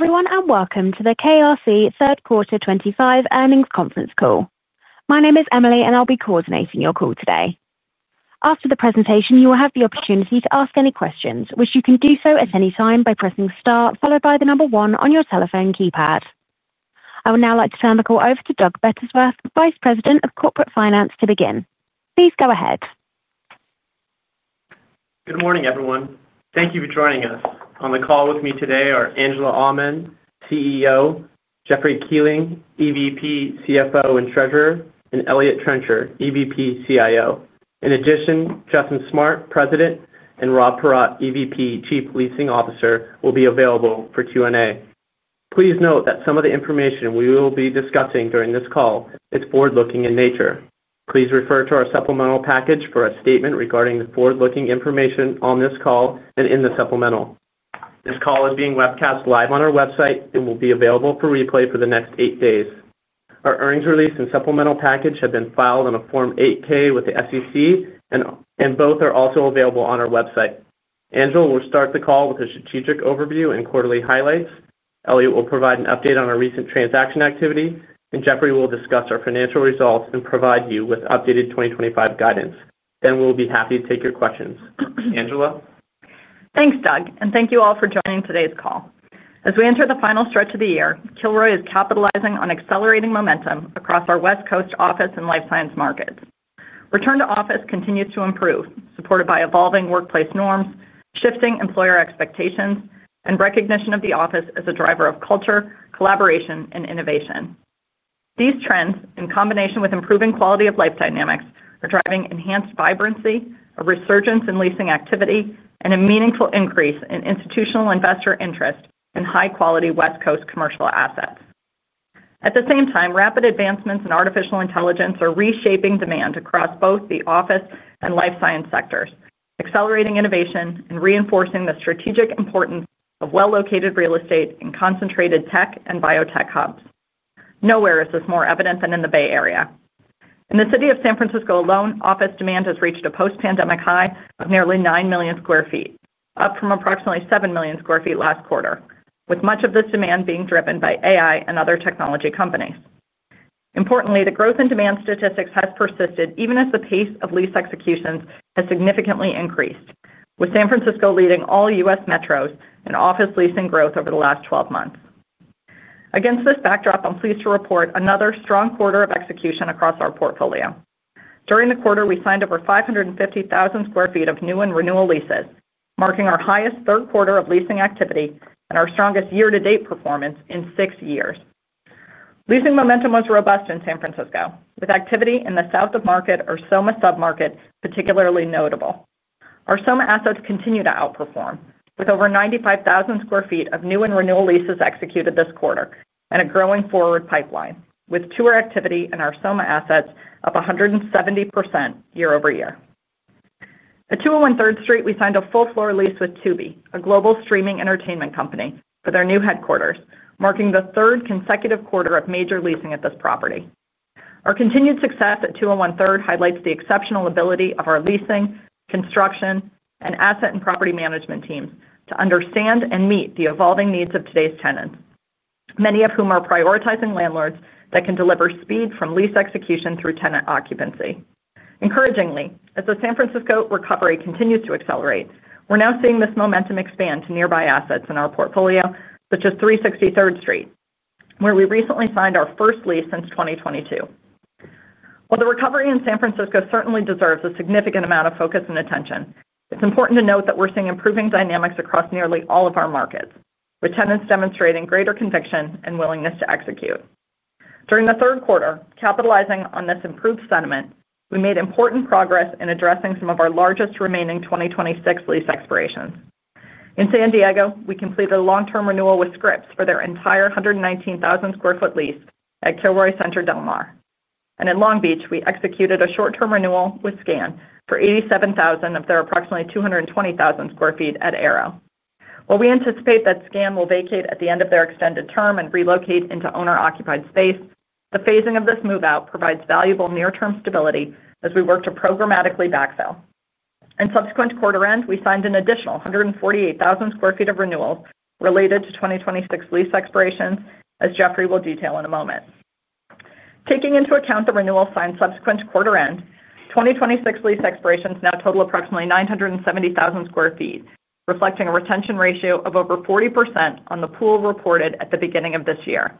Hello, everyone, and welcome to the KRC third quarter 2025 earnings conference call. My name is Emily, and I'll be coordinating your call today. After the presentation, you will have the opportunity to ask any questions, which you can do at any time by pressing STAR followed by the number one on your telephone keypad. I would now like to turn the call over to Douglas Bettisworth, Vice President of Corporate Finance, to begin. Please go ahead. Good morning, everyone. Thank you for joining us. On the call with me today are Angela Aman, CEO, Jeffrey R. Kuehling, EVP, CFO and Treasurer, and Eliott Trencher, EVP, CIO. In addition, Justin Smart, President, and Rob Paratte, EVP, Chief Leasing Officer, will be available for Q&A. Please note that some of the information we will be discussing during this call is forward-looking in nature. Please refer to our supplemental package for a statement regarding the forward-looking information on this call and in the supplemental. This call is being webcast live on our website and will be available for replay for the next eight days. Our earnings release and supplemental package have been filed on a Form 8-K with the SEC, and both are also available on our website. Angela will start the call with a strategic overview and quarterly highlights. Eliott will provide an update on our recent transaction activity, and Jeffrey will discuss our financial results and provide you with updated 2025 guidance. We will be happy to take your questions. Angela? Thanks, Doug, and thank you all for joining today's call. As we enter the final stretch of the year, Kilroy is capitalizing on accelerating momentum across our West Coast office and life science markets. Return to office continues to improve, supported by evolving workplace norms, shifting employer expectations, and recognition of the office as a driver of culture, collaboration, and innovation. These trends, in combination with improving quality of life dynamics, are driving enhanced vibrancy, a resurgence in leasing activity, and a meaningful increase in institutional investor interest in high-quality West Coast commercial assets. At the same time, rapid advancements in artificial intelligence are reshaping demand across both the office and life science sectors, accelerating innovation and reinforcing the strategic importance of well-located real estate in concentrated tech and biotech hubs. Nowhere is this more evident than in the Bay Area. In the city of San Francisco alone, office demand has reached a post-pandemic high of nearly 9 million sq ft, up from approximately 7 million sq ft last quarter, with much of this demand being driven by AI and other technology companies. Importantly, the growth in demand statistics has persisted even as the pace of lease executions has significantly increased, with San Francisco leading all U.S. metros in office leasing growth over the last 12 months. Against this backdrop, I'm pleased to report another strong quarter of execution across our portfolio. During the quarter, we signed over 550,000 sq ft of new and renewal leases, marking our highest third quarter of leasing activity and our strongest year-to-date performance in six years. Leasing momentum was robust in San Francisco, with activity in the South of Market or SoMa submarket particularly notable. Our SoMa assets continue to outperform, with over 95,000 sq ft of new and renewal leases executed this quarter and a growing forward pipeline, with tour activity in our SoMa assets up 170% year-over-year. At 201 3rd Street, we signed a full-floor lease with Tubi, a global streaming entertainment company, for their new headquarters, marking the third consecutive quarter of major leasing at this property. Our continued success at 201 3rd highlights the exceptional ability of our leasing, construction, and asset and property management teams to understand and meet the evolving needs of today's tenants, many of whom are prioritizing landlords that can deliver speed from lease execution through tenant occupancy. Encouragingly, as the San Francisco recovery continues to accelerate, we're now seeing this momentum expand to nearby assets in our portfolio, such as 360 3rd Street, where we recently signed our first lease since 2022. While the recovery in San Francisco certainly deserves a significant amount of focus and attention, it's important to note that we're seeing improving dynamics across nearly all of our markets, with tenants demonstrating greater conviction and willingness to execute. During the third quarter, capitalizing on this improved sentiment, we made important progress in addressing some of our largest remaining 2026 lease expirations. In San Diego, we completed a long-term renewal with Scripps for their entire 119,000 sq ft lease at Kilroy Center, del mar. In Long Beach, we executed a short-term renewal with SCAN for 87,000 of their approximately 220,000 sq ft at Aero. We anticipate that SCAN will vacate at the end of their extended term and relocate into owner-occupied space. The phasing of this move-out provides valuable near-term stability as we work to programmatically backfill. In subsequent quarter-end, we signed an additional 148,000 sq ft of renewals related to 2026 lease expirations, as Jeffrey will detail in a moment. Taking into account the renewals signed subsequent quarter-end, 2026 lease expirations now total approximately 970,000 sq ft, reflecting a retention ratio of over 40% on the pool reported at the beginning of this year.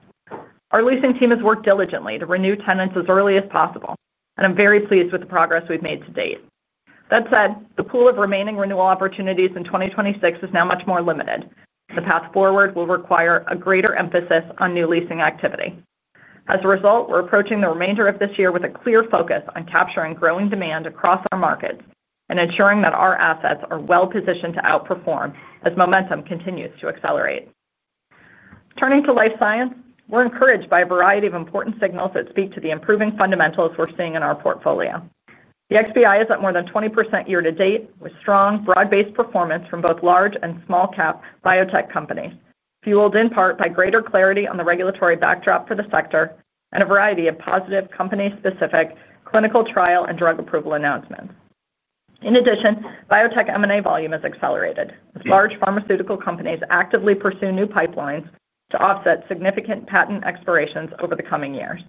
Our leasing team has worked diligently to renew tenants as early as possible, and I'm very pleased with the progress we've made to date. That said, the pool of remaining renewal opportunities in 2026 is now much more limited. The path forward will require a greater emphasis on new leasing activity. As a result, we're approaching the remainder of this year with a clear focus on capturing growing demand across our markets and ensuring that our assets are well-positioned to outperform as momentum continues to accelerate. Turning to life science, we're encouraged by a variety of important signals that speak to the improving fundamentals we're seeing in our portfolio. The XBI is up more than 20% year to date with strong, broad-based performance from both large and small-cap biotech companies, fueled in part by greater clarity on the regulatory backdrop for the sector and a variety of positive company-specific clinical trial and drug approval announcements. In addition, biotech M&A volume has accelerated, as large pharmaceutical companies actively pursue new pipelines to offset significant patent expirations over the coming years.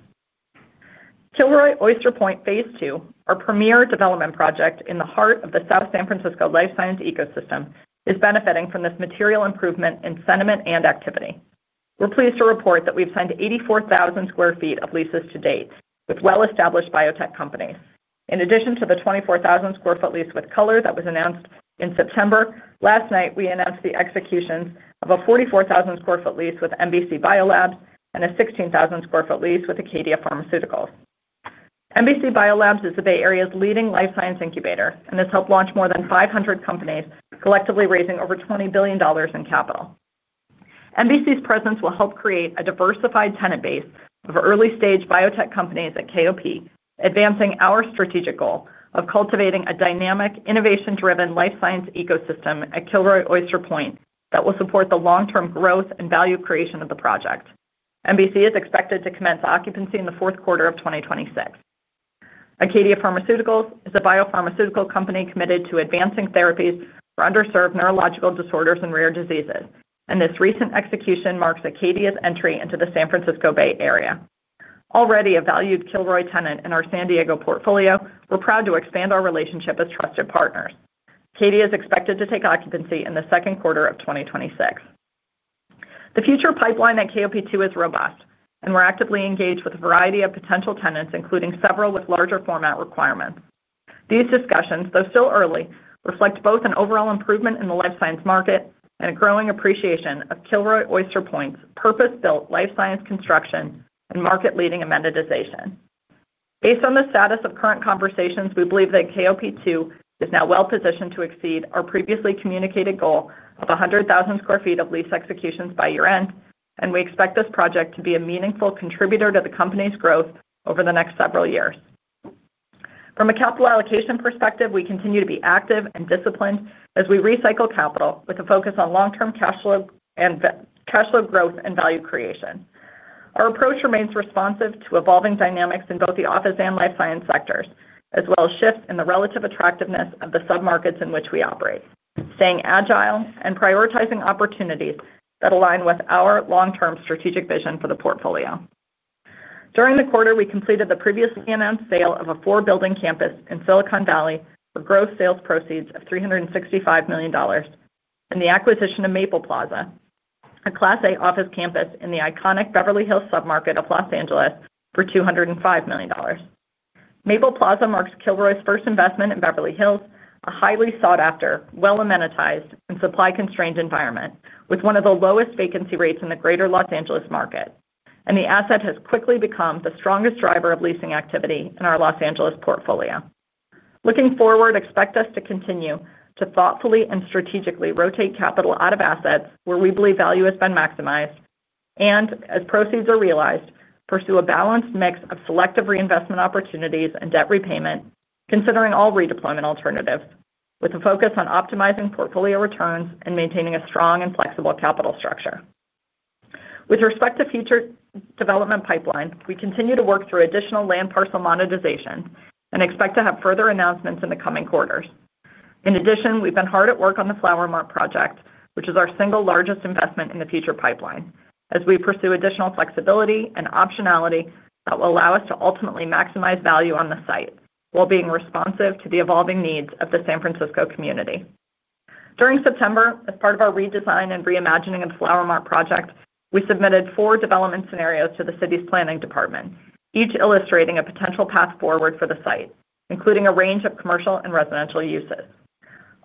Kilroy Oyster Point Phase 2, our premier development project in the heart of the South San Francisco life science ecosystem, is benefiting from this material improvement in sentiment and activity. We're pleased to report that we've signed 84,000 sq ft of leases to date with well-established biotech companies. In addition to the 24,000 sq ft lease with Color that was announced in September, last night we announced the executions of a 44,000 sq ft lease with MBC BioLabs and a 16,000 sq ft lease with Acadia Pharmaceuticals. MBC BioLabs is the Bay Area's leading life science incubator, and has helped launch more than 500 companies, collectively raising over $20 billion in capital. MBC's presence will help create a diversified tenant base of early-stage biotech companies at KOP, advancing our strategic goal of cultivating a dynamic, innovation-driven life science ecosystem at Kilroy Oyster Point that will support the long-term growth and value creation of the project. MBC is expected to commence occupancy in the fourth quarter of 2026. Acadia Pharmaceuticals is a biopharmaceutical company committed to advancing therapies for underserved neurological disorders and rare diseases, and this recent execution marks Acadia's entry into the San Francisco Bay Area. Already a valued Kilroy tenant in our San Diego portfolio, we're proud to expand our relationship as trusted partners. Acadia is expected to take occupancy in the second quarter of 2026. The future pipeline at KOP 2 is robust, and we're actively engaged with a variety of potential tenants, including several with larger format requirements. These discussions, though still early, reflect both an overall improvement in the life science market and a growing appreciation of Kilroy Oyster Point's purpose-built life science construction and market-leading amenitization. Based on the status of current conversations, we believe that KOP 2 is now well-positioned to exceed our previously communicated goal of 100,000 sq ft of lease executions by year-end, and we expect this project to be a meaningful contributor to the company's growth over the next several years. From a capital allocation perspective, we continue to be active and disciplined as we recycle capital with a focus on long-term cash flow and cash flow growth and value creation. Our approach remains responsive to evolving dynamics in both the office and life science sectors, as well as shifts in the relative attractiveness of the submarkets in which we operate, staying agile and prioritizing opportunities that align with our long-term strategic vision for the portfolio. During the quarter, we completed the previously announced sale of a four-building campus in Silicon Valley for gross sales proceeds of $365 million and the acquisition of Maple Plaza, a Class A office campus in the iconic Beverly Hills submarket of Los Angeles, for $205 million. Maple Plaza marks Kilroy's first investment in Beverly Hills, a highly sought-after, well-amenitized, and supply-constrained environment, with one of the lowest vacancy rates in the greater Los Angeles market. The asset has quickly become the strongest driver of leasing activity in our Los Angeles portfolio. Looking forward, expect us to continue to thoughtfully and strategically rotate capital out of assets where we believe value has been maximized and, as proceeds are realized, pursue a balanced mix of selective reinvestment opportunities and debt repayment, considering all redeployment alternatives, with a focus on optimizing portfolio returns and maintaining a strong and flexible capital structure. With respect to future development pipeline, we continue to work through additional land parcel monetization and expect to have further announcements in the coming quarters. In addition, we've been hard at work on the Flower Mart Project, which is our single largest investment in the future pipeline, as we pursue additional flexibility and optionality that will allow us to ultimately maximize value on the site while being responsive to the evolving needs of the San Francisco community. During September, as part of our redesign and reimagining of the Flower Mart Project, we submitted four development scenarios to the city's planning department, each illustrating a potential path forward for the site, including a range of commercial and residential uses.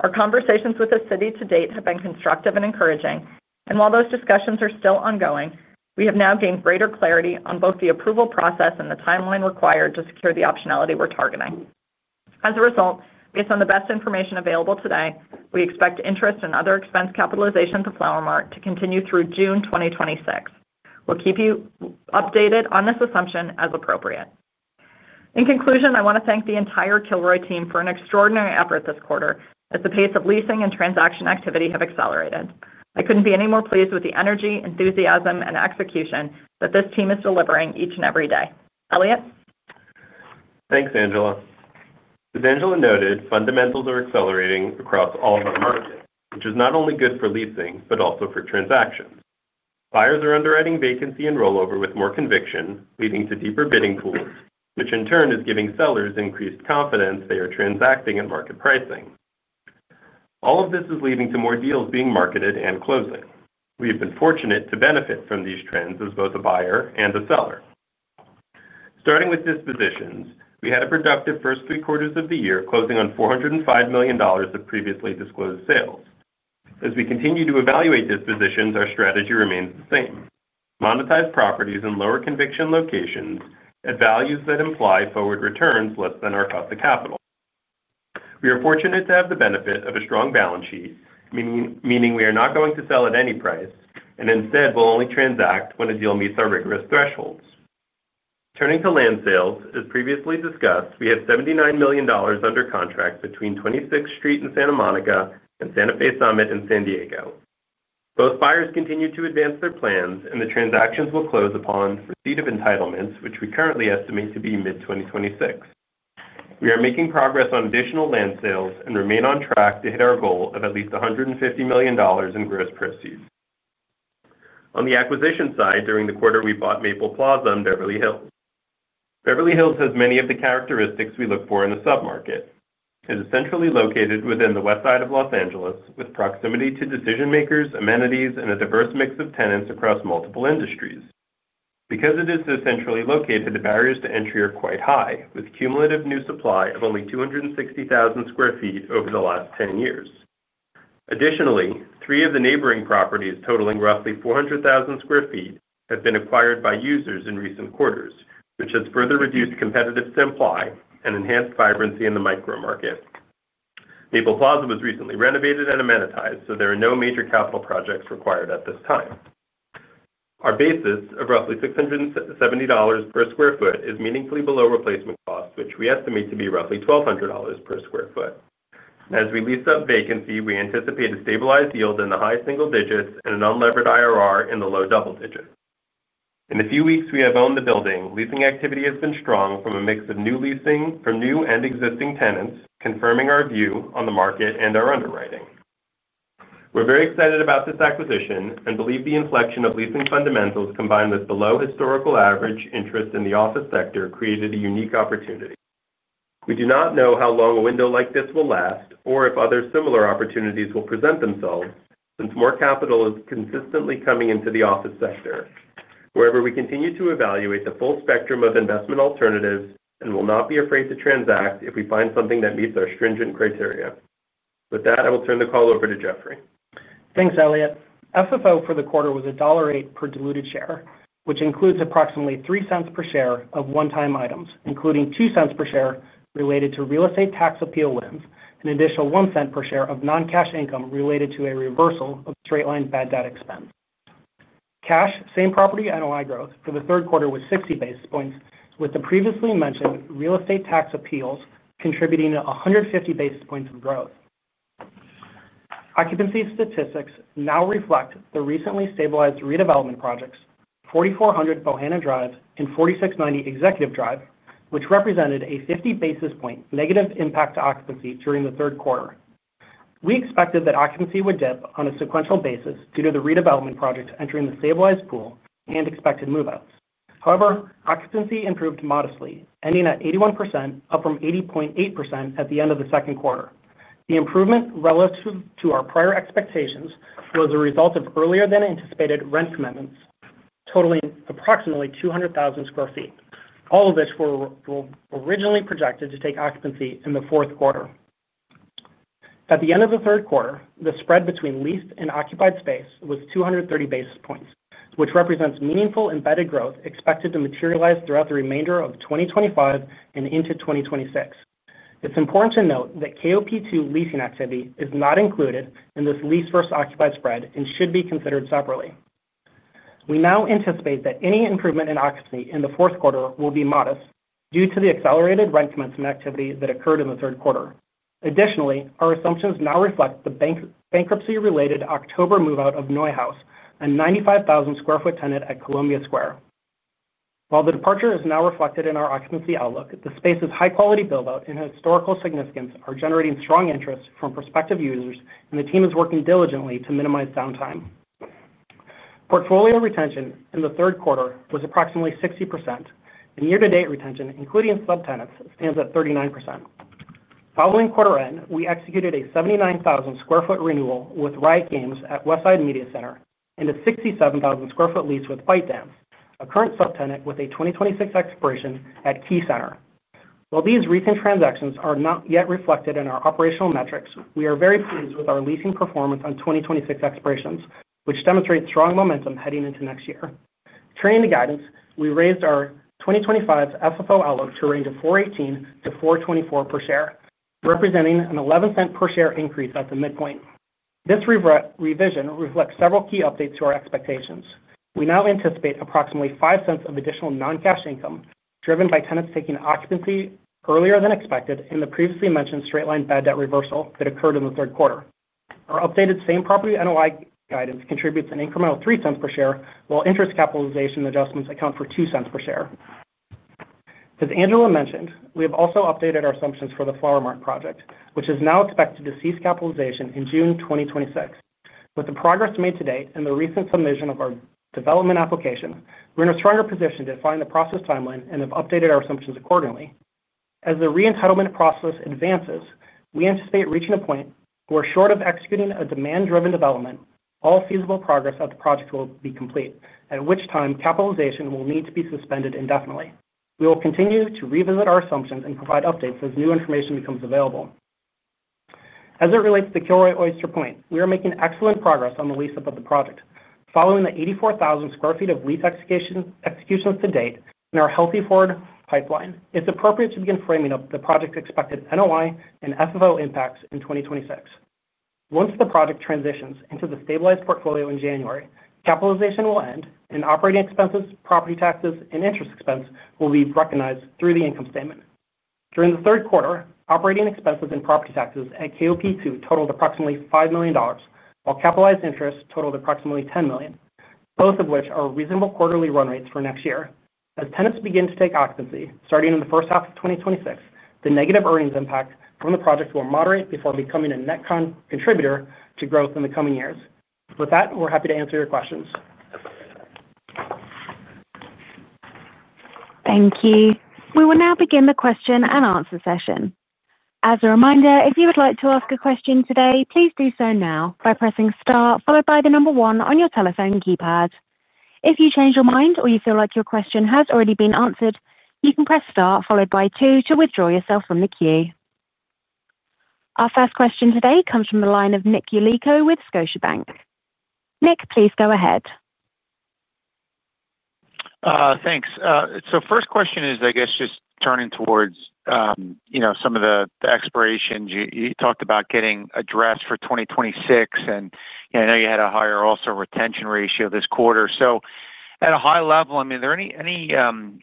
Our conversations with the city to date have been constructive and encouraging, and while those discussions are still ongoing, we have now gained greater clarity on both the approval process and the timeline required to secure the optionality we're targeting. As a result, based on the best information available today, we expect interest in other expense capitalization to Flower Mart to continue through June 2026. We'll keep you updated on this assumption as appropriate. In conclusion, I want to thank the entire Kilroy team for an extraordinary effort this quarter, as the pace of leasing and transaction activity have accelerated. I couldn't be any more pleased with the energy, enthusiasm, and execution that this team is delivering each and every day. Eliott? Thanks, Angela. As Angela noted, fundamentals are accelerating across all of our markets, which is not only good for leasing but also for transactions. Buyers are underwriting vacancy and rollover with more conviction, leading to deeper bidding pools, which in turn is giving sellers increased confidence they are transacting at market pricing. All of this is leading to more deals being marketed and closing. We have been fortunate to benefit from these trends as both a buyer and a seller. Starting with dispositions, we had a productive first three quarters of the year closing on $405 million of previously disclosed sales. As we continue to evaluate dispositions, our strategy remains the same: monetize properties in lower conviction locations at values that imply forward returns less than our cost of capital. We are fortunate to have the benefit of a strong balance sheet, meaning we are not going to sell at any price and instead will only transact when a deal meets our rigorous thresholds. Turning to land sales, as previously discussed, we have $79 million under contract between 26th Street in Santa Monica and Santa Fe Summit in San Diego. Both buyers continue to advance their plans, and the transactions will close upon receipt of entitlements, which we currently estimate to be mid-2026. We are making progress on additional land sales and remain on track to hit our goal of at least $150 million in gross proceeds. On the acquisition side, during the quarter, we bought Maple Plaza in Beverly Hills. Beverly Hills has many of the characteristics we look for in the submarket. It is centrally located within the west side of Los Angeles, with proximity to decision makers, amenities, and a diverse mix of tenants across multiple industries. Because it is so centrally located, the barriers to entry are quite high, with a cumulative new supply of only 260,000 sq ft over the last 10 years. Additionally, three of the neighboring properties totaling roughly 400,000 sq ft have been acquired by users in recent quarters, which has further reduced competitive supply and enhanced vibrancy in the micro market. Maple Plaza was recently renovated and amenitized, so there are no major capital projects required at this time. Our basis of roughly $670 per square foot is meaningfully below replacement costs, which we estimate to be roughly $1,200 per square foot. As we lease up vacancy, we anticipate a stabilized yield in the high single digits and an unlevered IRR in the low double digits. In the few weeks we have owned the building, leasing activity has been strong from a mix of new leasing from new and existing tenants, confirming our view on the market and our underwriting. We are very excited about this acquisition and believe the inflection of leasing fundamentals combined with below historical average interest in the office sector created a unique opportunity. We do not know how long a window like this will last or if other similar opportunities will present themselves since more capital is consistently coming into the office sector. However, we continue to evaluate the full spectrum of investment alternatives and will not be afraid to transact if we find something that meets our stringent criteria. With that, I will turn the call over to Jeffrey. Thanks, Eliott. FFO for the quarter was $1.08 per diluted share, which includes approximately $0.03 per share of one-time items, including $0.02 per share related to real estate tax appeal wins and an additional $0.01 per share of non-cash income related to a reversal of straight-line bad debt expense. Cash, same property NOI growth for the third quarter was 60 basis points, with the previously mentioned real estate tax appeals contributing to 150 basis points of growth. Occupancy statistics now reflect the recently stabilized redevelopment projects: 4400 Bohannan Drive and 4690 Executive Drive, which represented a 50 basis point negative impact to occupancy during the third quarter. We expected that occupancy would dip on a sequential basis due to the redevelopment projects entering the stabilized pool and expected move-outs. However, occupancy improved modestly, ending at 81%, up from 80.8% at the end of the second quarter. The improvement relative to our prior expectations was a result of earlier-than-anticipated rent commitments totaling approximately 200,000 sq ft, all of which were originally projected to take occupancy in the fourth quarter. At the end of the third quarter, the spread between leased and occupied space was 230 basis points, which represents meaningful embedded growth expected to materialize throughout the remainder of 2025 and into 2026. It's important to note that KOP 2 leasing activity is not included in this leased versus occupied spread and should be considered separately. We now anticipate that any improvement in occupancy in the fourth quarter will be modest due to the accelerated rent commencement activity that occurred in the third quarter. Additionally, our assumptions now reflect the bankruptcy-related October move-out of NeueHouse, a 95,000 sq ft tenant at Columbia Square. While the departure is now reflected in our occupancy outlook, the space's high-quality build-out and historical significance are generating strong interest from prospective users, and the team is working diligently to minimize downtime. Portfolio retention in the third quarter was approximately 60%, and year-to-date retention, including subtenants, stands at 39%. Following quarter end, we executed a 79,000 sq ft renewal with Rye Games at West Side Media Center and a 67,000 square foot lease with ByteDance, a current subtenant with a 2026 expiration at Key Center. While these recent transactions are not yet reflected in our operational metrics, we are very pleased with our leasing performance on 2026 expirations, which demonstrate strong momentum heading into next year. Turning to guidance, we raised our 2025 FFO outlook to a range of $4.18-$4.24 per share, representing a $0.01 per share increase at the midpoint. This revision reflects several key updates to our expectations. We now anticipate approximately $0.05 of additional non-cash income driven by tenants taking occupancy earlier than expected and the previously mentioned straight-line bad debt reversal that occurred in the third quarter. Our updated same property NOI guidance contributes an incremental $0.03 per share, while interest capitalization adjustments account for $0.02 per share. As Angela mentioned, we have also updated our assumptions for the Flower Mart Project, which is now expected to cease capitalization in June 2026. With the progress made to date and the recent submission of our development applications, we're in a stronger position to define the process timeline and have updated our assumptions accordingly. As the reentitlement process advances, we anticipate reaching a point where, short of executing a demand-driven development, all feasible progress of the project will be complete, at which time capitalization will need to be suspended indefinitely. We will continue to revisit our assumptions and provide updates as new information becomes available. As it relates to Kilroy Oyster Point, we are making excellent progress on the lease-up of the project. Following the 84,000 sq ft of lease executions to date in our healthy forward pipeline, it's appropriate to begin framing up the project's expected NOI and FFO impacts in 2026. Once the project transitions into the stabilized portfolio in January, capitalization will end, and operating expenses, property taxes, and interest expense will be recognized through the income statement. During the third quarter, operating expenses and property taxes at KOP 2 totaled approximately $5 million, while capitalized interest totaled approximately $10 million, both of which are reasonable quarterly run rates for next year. As tenants begin to take occupancy starting in the first half of 2026, the negative earnings impact from the project will moderate before becoming a net contributor to growth in the coming years. With that, we're happy to answer your questions. Thank you. We will now begin the question and answer session. As a reminder, if you would like to ask a question today, please do so now by pressing star followed by the number one on your telephone keypad. If you change your mind or you feel like your question has already been answered, you can press star followed by two to withdraw yourself from the queue. Our first question today comes from the line of Nick Yulico with Scotiabank. Nick, please go ahead. Thanks. First question is, I guess, just turning towards some of the expirations you talked about getting addressed for 2026, and I know you had a higher also retention ratio this quarter. At a high level, are there any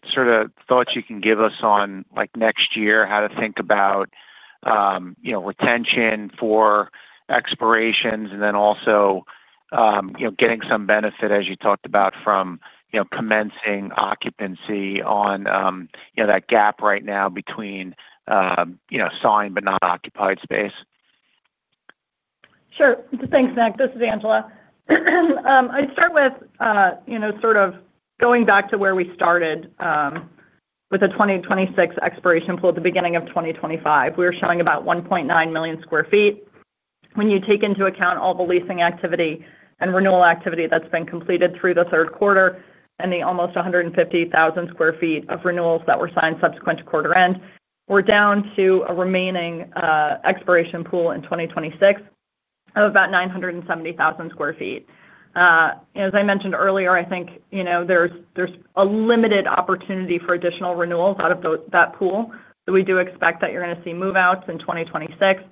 sort of thoughts you can give us on next year, how to think about retention for expirations and then also getting some benefit, as you talked about, from commencing occupancy on that gap right now between signed but not occupied space? Sure. Thanks, Nick. This is Angela. I'd start with sort of going back to where we started with the 2026 expiration pool at the beginning of 2025. We were showing about 1.9 million sq ft when you take into account all the leasing activity and renewal activity that's been completed through the third quarter and the almost 150,000 sq ft of renewals that were signed subsequent to quarter end. We're down to a remaining expiration pool in 2026 of about 970,000 sq ft. As I mentioned earlier, I think there's a limited opportunity for additional renewals out of that pool. We do expect that you're going to see move-outs in 2026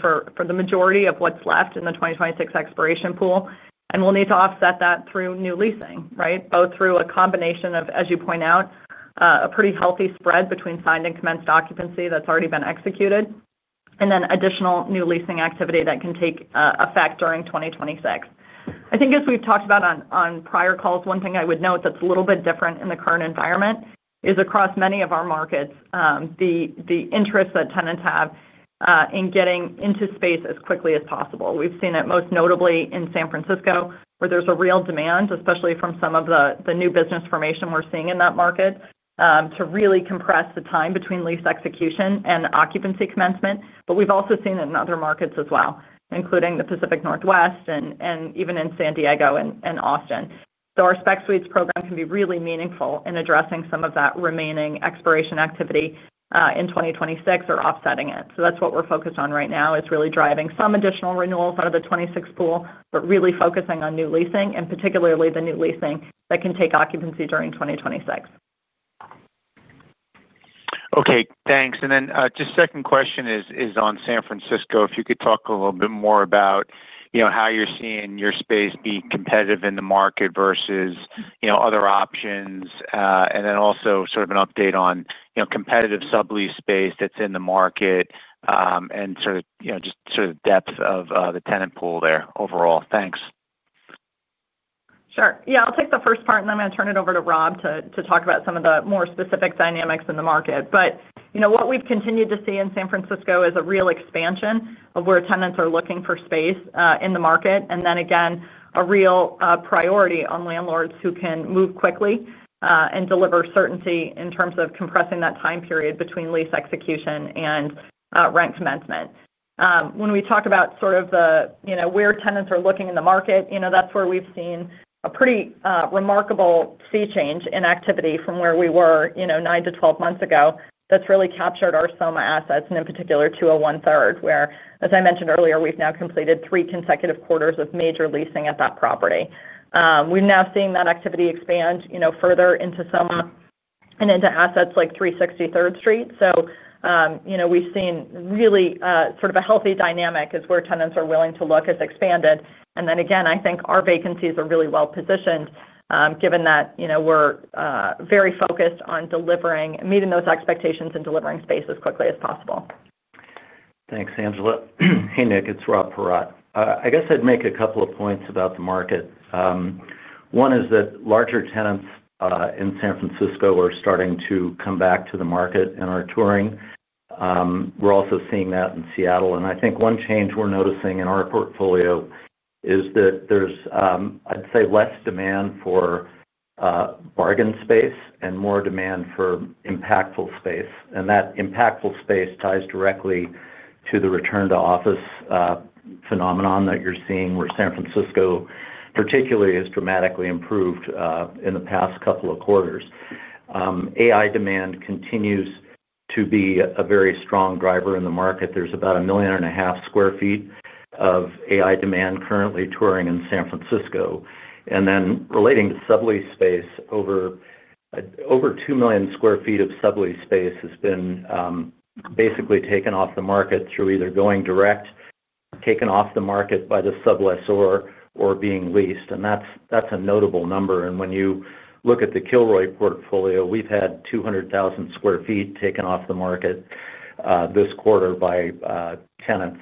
for the majority of what's left in the 2026 expiration pool, and we'll need to offset that through new leasing, right, both through a combination of, as you point out, a pretty healthy spread between signed and commenced occupancy that's already been executed and then additional new leasing activity that can take effect during 2026. I think, as we've talked about on prior calls, one thing I would note that's a little bit different in the current environment is across many of our markets, the interest that tenants have in getting into space as quickly as possible. We've seen it most notably in San Francisco, where there's a real demand, especially from some of the new business formation we're seeing in that market, to really compress the time between lease execution and occupancy commencement. We've also seen it in other markets as well, including the Pacific Northwest and even in San Diego and Austin. Our spec suites program can be really meaningful in addressing some of that remaining expiration activity in 2026 or offsetting it. That's what we're focused on right now, is really driving some additional renewals out of the 2026 pool, but really focusing on new leasing and particularly the new leasing that can take occupancy during 2026. Okay. Thanks. The second question is on San Francisco. If you could talk a little bit more about how you're seeing your space be competitive in the market versus other options, and also an update on competitive sublease space that's in the market and the depth of the tenant pool there overall. Thanks. Sure. Yeah. I'll take the first part, and then I'm going to turn it over to Rob to talk about some of the more specific dynamics in the market. What we've continued to see in San Francisco is a real expansion of where tenants are looking for space in the market and, again, a real priority on landlords who can move quickly and deliver certainty in terms of compressing that time period between lease execution and rent commencement. When we talk about sort of where tenants are looking in the market, that's where we've seen a pretty remarkable sea change in activity from where we were nine to 12 months ago that's really captured our SoMa assets and, in particular, 201 3rd where, as I mentioned earlier, we've now completed three consecutive quarters of major leasing at that property. We've now seen that activity expand further into SoMa and into assets like 360 3rd Street. We've seen really sort of a healthy dynamic as where tenants are willing to look has expanded. I think our vacancies are really well-positioned given that we're very focused on meeting those expectations and delivering space as quickly as possible. Thanks, Angela. Hey, Nick. It's Rob Paratte. I guess I'd make a couple of points about the market. One is that larger tenants in San Francisco are starting to come back to the market and are touring. We're also seeing that in Seattle. I think one change we're noticing in our portfolio is that there's, I'd say, less demand for bargain space and more demand for impactful space. That impactful space ties directly to the return-to-office phenomenon that you're seeing, where San Francisco particularly has dramatically improved in the past couple of quarters. AI demand continues to be a very strong driver in the market. There's about $1.5 million sq ft of AI demand currently touring in San Francisco. Relating to sublease space, over $2 million sq ft of sublease space has been basically taken off the market through either going direct, taken off the market by the sublessor, or being leased. That's a notable number. When you look at the Kilroy portfolio, we've had 200,000 sq ft taken off the market this quarter by tenants.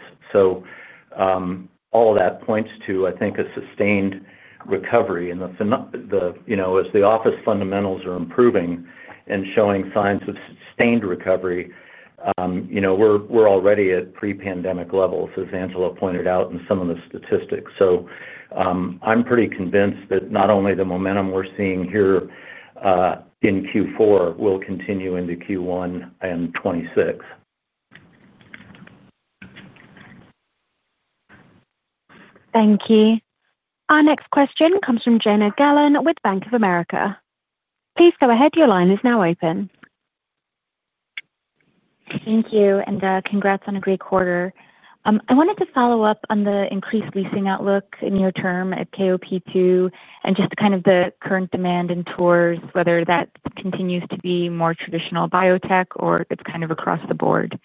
All of that points to, I think, a sustained recovery. As the office fundamentals are improving and showing signs of sustained recovery, we're already at pre-pandemic levels, as Angela pointed out in some of the statistics. I'm pretty convinced that not only the momentum we're seeing here in Q4 will continue into Q1 and 2026. Thank you. Our next question comes from Jana Gallen with Bank of America. Please go ahead. Your line is now open. Thank you. Congrats on a great quarter. I wanted to follow up on the increased leasing outlook near term at KOP 2 and just the current demand in tours, whether that continues to be more traditional biotech or it's across the board.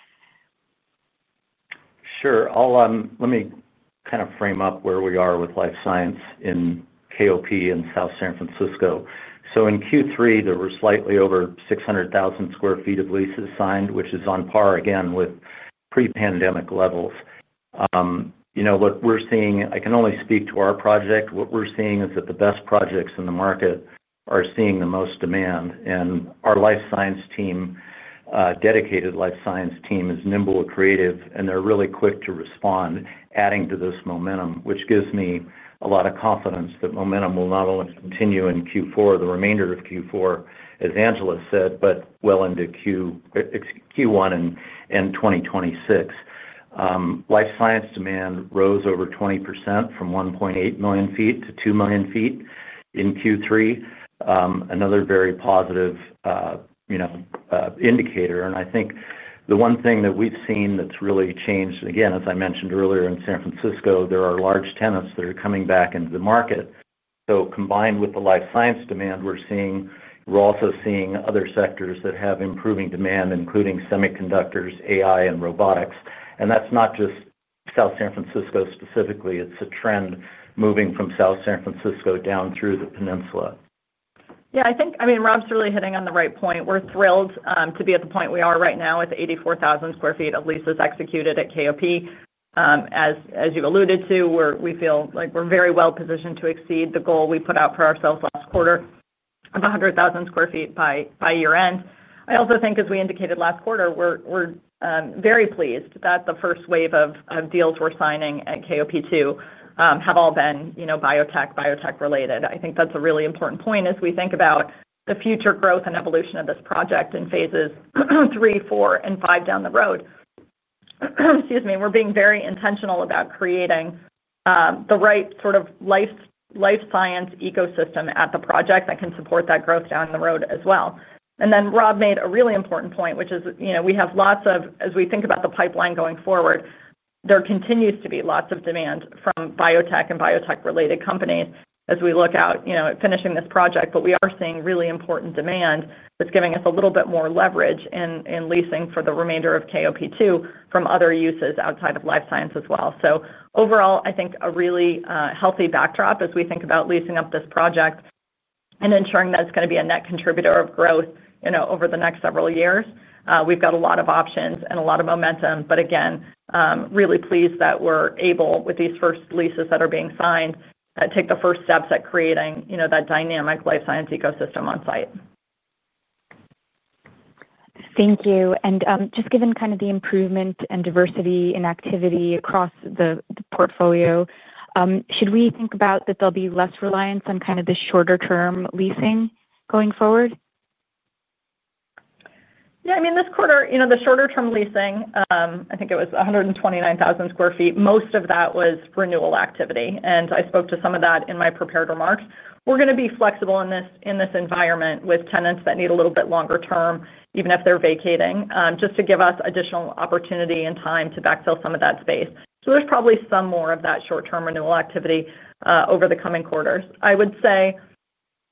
Sure. Let me kind of frame up where we are with life science in KOP in South San Francisco. In Q3, there were slightly over 600,000 sq ft of leases signed, which is on par, again, with pre-pandemic levels. You know what we're seeing? I can only speak to our project. What we're seeing is that the best projects in the market are seeing the most demand. Our life science team, dedicated life science team, is nimble and creative, and they're really quick to respond, adding to this momentum, which gives me a lot of confidence that momentum will not only continue in Q4, the remainder of Q4, as Angela said, but well into Q1 and 2026. Life science demand rose over 20% from 1.8 million ft to 2 million ft in Q3, another very positive indicator. I think the one thing that we've seen that's really changed, and again, as I mentioned earlier, in San Francisco, there are large tenants that are coming back into the market. Combined with the life science demand we're seeing, we're also seeing other sectors that have improving demand, including semiconductors, AI, and robotics. That's not just South San Francisco specifically. It's a trend moving from South San Francisco down through the peninsula. Yeah. I think, I mean, Rob's really hitting on the right point. We're thrilled to be at the point we are right now with 84,000 sq ft of leases executed at KOP. As you alluded to, we feel like we're very well positioned to exceed the goal we put out for ourselves last quarter of 100,000 sq ft by year-end. I also think, as we indicated last quarter, we're very pleased that the first wave of deals we're signing at KOP 2 have all been biotech, biotech-related. I think that's a really important point as we think about the future growth and evolution of this project in phases III, IV, and V down the road. Excuse me. We're being very intentional about creating the right sort of life science ecosystem at the project that can support that growth down the road as well. Rob made a really important point, which is we have lots of, as we think about the pipeline going forward, there continues to be lots of demand from biotech and biotech-related companies as we look out at finishing this project. We are seeing really important demand that's giving us a little bit more leverage in leasing for the remainder of KOP 2 from other uses outside of life science as well. Overall, I think a really healthy backdrop as we think about leasing up this project and ensuring that it's going to be a net contributor of growth over the next several years. We've got a lot of options and a lot of momentum. Again, really pleased that we're able, with these first leases that are being signed, to take the first steps at creating that dynamic life science ecosystem on site. Thank you. Given the improvement and diversity in activity across the portfolio, should we think about that there'll be less reliance on the shorter-term leasing going forward? Yeah. I mean, this quarter, the shorter-term leasing, I think it was 129,000 sq ft. Most of that was renewal activity. I spoke to some of that in my prepared remarks. We're going to be flexible in this environment with tenants that need a little bit longer term, even if they're vacating, just to give us additional opportunity and time to backfill some of that space. There's probably some more of that short-term renewal activity over the coming quarters. I would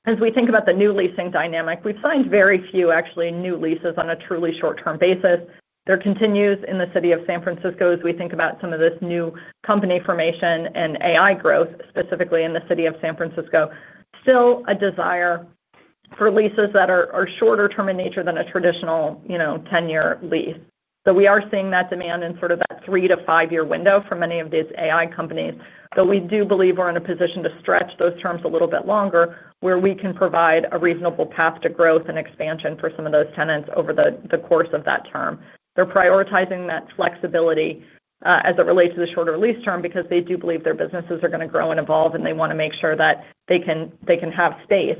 say, as we think about the new leasing dynamic, we've signed very few actually new leases on a truly short-term basis. There continues in the city of San Francisco, as we think about some of this new company formation and AI growth specifically in the city of San Francisco, still a desire for leases that are shorter-term in nature than a traditional 10-year lease. We are seeing that demand in sort of that three to five-year window for many of these AI companies. We do believe we're in a position to stretch those terms a little bit longer where we can provide a reasonable path to growth and expansion for some of those tenants over the course of that term. They're prioritizing that flexibility as it relates to the shorter lease term because they do believe their businesses are going to grow and evolve, and they want to make sure that they can have space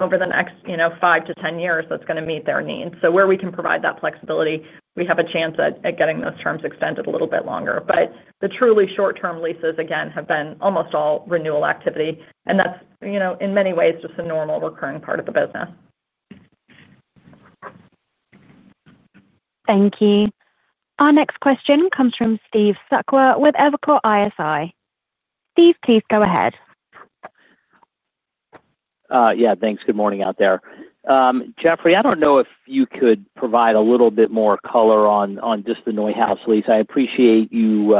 over the next five to 10 years that's going to meet their needs. Where we can provide that flexibility, we have a chance at getting those terms extended a little bit longer. The truly short-term leases, again, have been almost all renewal activity. That's, in many ways, just a normal recurring part of the business. Thank you. Our next question comes from Steve Sakwa with Evercore ISI. Steve, please go ahead. Yeah. Thanks. Good morning out there. Jeffrey, I don't know if you could provide a little bit more color on just the NeueHouse lease. I appreciate you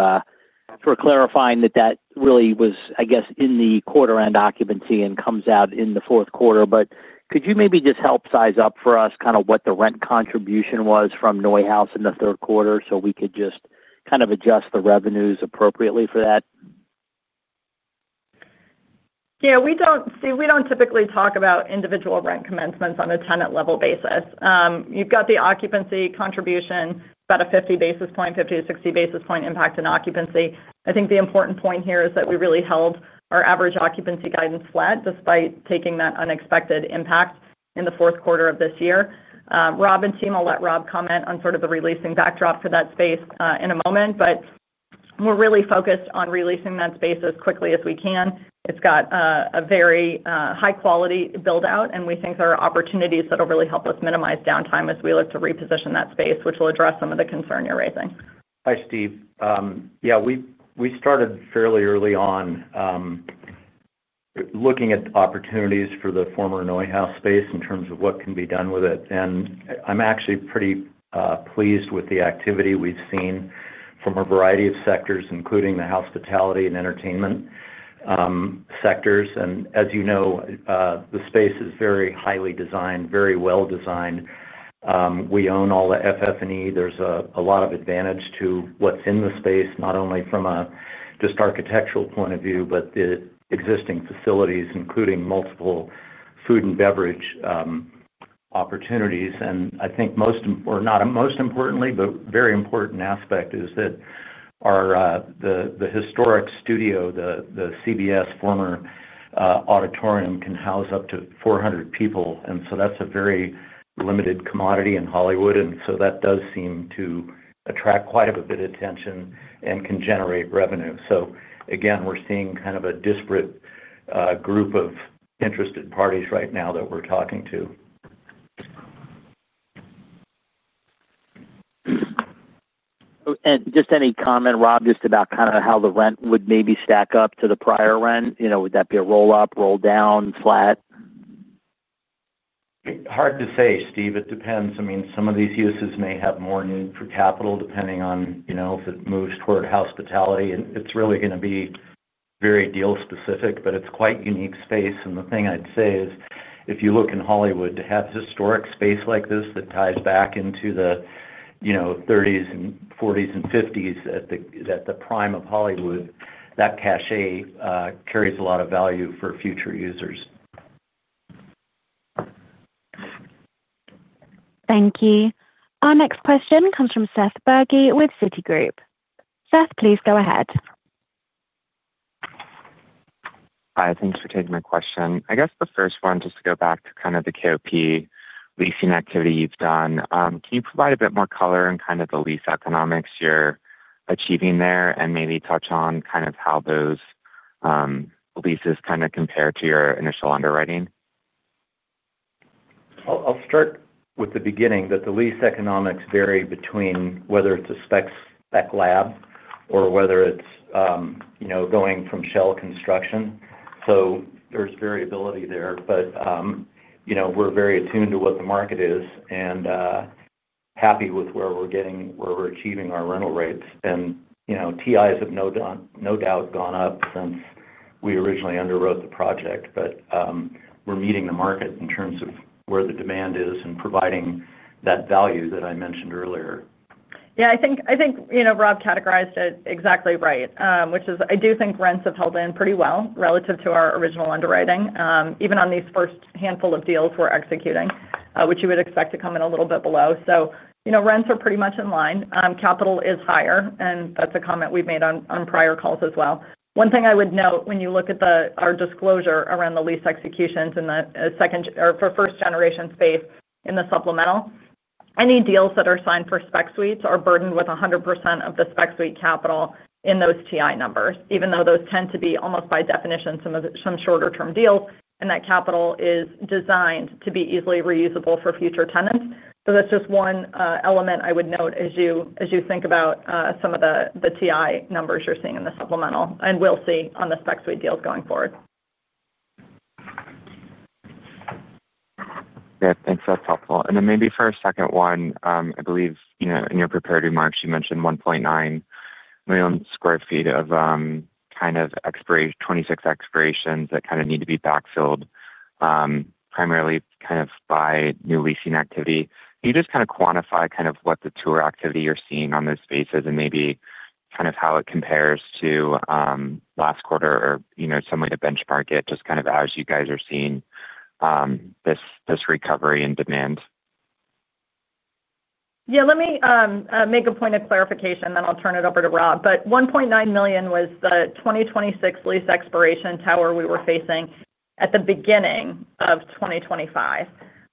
for clarifying that that really was, I guess, in the quarter-end occupancy and comes out in the fourth quarter. Could you maybe just help size up for us kind of what the rent contribution was from NeueHouse in the third quarter so we could just kind of adjust the revenues appropriately for that? Yeah. Steve, we don't typically talk about individual rent commencements on a tenant-level basis. You've got the occupancy contribution, about a 50 basis points, 50 to 60 basis points impact in occupancy. I think the important point here is that we really held our average occupancy guidance flat despite taking that unexpected impact in the fourth quarter of this year. Rob and team, I'll let Rob comment on sort of the releasing backdrop for that space in a moment. We're really focused on releasing that space as quickly as we can. It's got a very high-quality build-out, and we think there are opportunities that will really help us minimize downtime as we look to reposition that space, which will address some of the concern you're raising. Hi, Steve. Yeah. We started fairly early on looking at opportunities for the former NeueHouse space in terms of what can be done with it. I'm actually pretty pleased with the activity we've seen from a variety of sectors, including the hospitality and entertainment sectors. As you know, the space is very highly designed, very well designed. We own all the FF&E. There's a lot of advantage to what's in the space, not only from just an architectural point of view, but the existing facilities, including multiple food and beverage opportunities. I think a very important aspect is that the historic studio, the CBS former auditorium, can house up to 400 people. That's a very limited commodity in Hollywood. That does seem to attract quite a bit of attention and can generate revenue. We're seeing kind of a disparate group of interested parties right now that we're talking to. Rob, any comment just about kind of how the rent would maybe stack up to the prior rent? You know, would that be a roll-up, roll-down, flat? Hard to say, Steve. It depends. Some of these uses may have more need for capital, depending on if it moves toward hospitality. It's really going to be very deal-specific, but it's quite a unique space. The thing I'd say is if you look in Hollywood to have historic space like this that ties back into the 1930s, 1940s, and 1950s at the prime of Hollywood, that cache carries a lot of value for future users. Thank you. Our next question comes from Seth Berge with Citigroup. Seth, please go ahead. Hi. Thanks for taking my question. I guess the first one, just to go back to the KOP leasing activity you've done, can you provide a bit more color on the lease economics you're achieving there and maybe touch on how those leases compare to your initial underwriting? I'll start with the beginning, that the lease economics vary between whether it's a spec lab or whether it's going from shell construction. There's variability there. We're very attuned to what the market is and happy with where we're getting, where we're achieving our rental rates. TI has no doubt gone up since we originally underwrote the project. We're meeting the market in terms of where the demand is and providing that value that I mentioned earlier. Yeah. I think Rob categorized it exactly right, which is I do think rents have held in pretty well relative to our original underwriting, even on these first handful of deals we're executing, which you would expect to come in a little bit below. Rents are pretty much in line. Capital is higher, and that's a comment we've made on prior calls as well. One thing I would note, when you look at our disclosure around the lease executions and the second or for first-generation space in the supplemental, any deals that are signed for spec suites are burdened with 100% of the spec suite capital in those TI numbers, even though those tend to be almost by definition some shorter-term deals and that capital is designed to be easily reusable for future tenants. That's just one element I would note as you think about some of the TI numbers you're seeing in the supplemental and will see on the spec suite deals going forward. Thanks. That's helpful. Maybe for a second one, I believe in your prepared remarks, you mentioned 1.9 million sq ft of kind of 26 expirations that need to be backfilled primarily by new leasing activity. Can you just quantify what the tour activity you're seeing on those spaces is and maybe how it compares to last quarter or some way to benchmark it as you guys are seeing this recovery in demand? Yeah. Let me make a point of clarification, and then I'll turn it over to Rob. 1.9 million sq ft was the 2026 lease expiration tower we were facing at the beginning of 2025.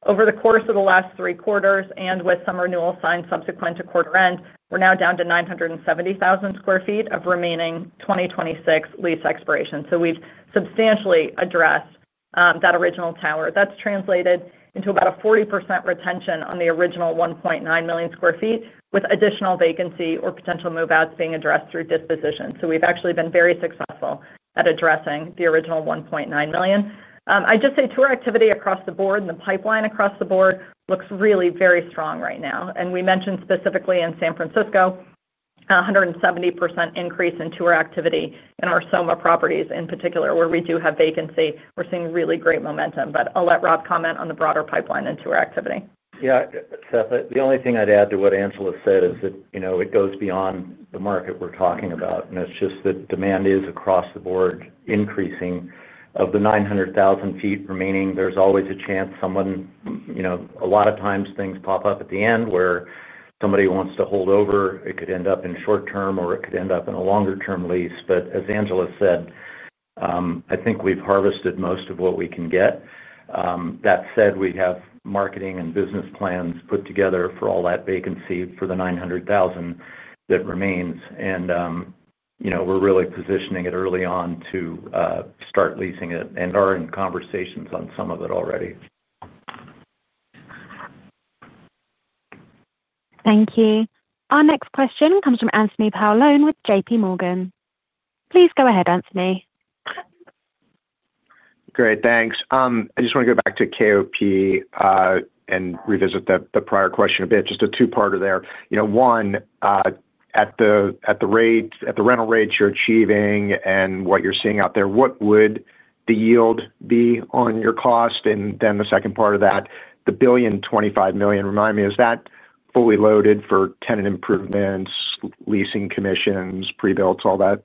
Over the course of the last three quarters and with some renewals signed subsequent to quarter end, we're now down to 970,000 sq ft of remaining 2026 lease expiration. We've substantially addressed that original tower. That's translated into about a 40% retention on the original 1.9 million sq ft with additional vacancy or potential move-outs being addressed through disposition. We've actually been very successful at addressing the original 1.9 million ft. I'd just say tour activity across the board and the pipeline across the board looks really very strong right now. We mentioned specifically in San Francisco, a 170% increase in tour activity in our SoMa properties in particular, where we do have vacancy. We're seeing really great momentum. I'll let Rob comment on the broader pipeline and tour activity. Yeah. Seth, the only thing I'd add to what Angela said is that it goes beyond the market we're talking about. It's just that demand is across the board increasing. Of the 900,000 ft remaining, there's always a chance someone, you know, a lot of times things pop up at the end where somebody wants to hold over. It could end up in short-term or it could end up in a longer-term lease. As Angela said, I think we've harvested most of what we can get. That said, we have marketing and business plans put together for all that vacancy for the 900,000 ft that remains. We're really positioning it early on to start leasing it and are in conversations on some of it already. Thank you. Our next question comes from Anthony Paolone with JPMorgan. Please go ahead, Anthony. Great. Thanks. I just want to go back to KOP and revisit the prior question a bit, just a two-parter there. You know, one, at the rental rates you're achieving and what you're seeing out there, what would the yield be on your cost? The second part of that, the $1.025 billion, remind me, is that fully loaded for tenant improvements, leasing commissions, pre-builts, all that?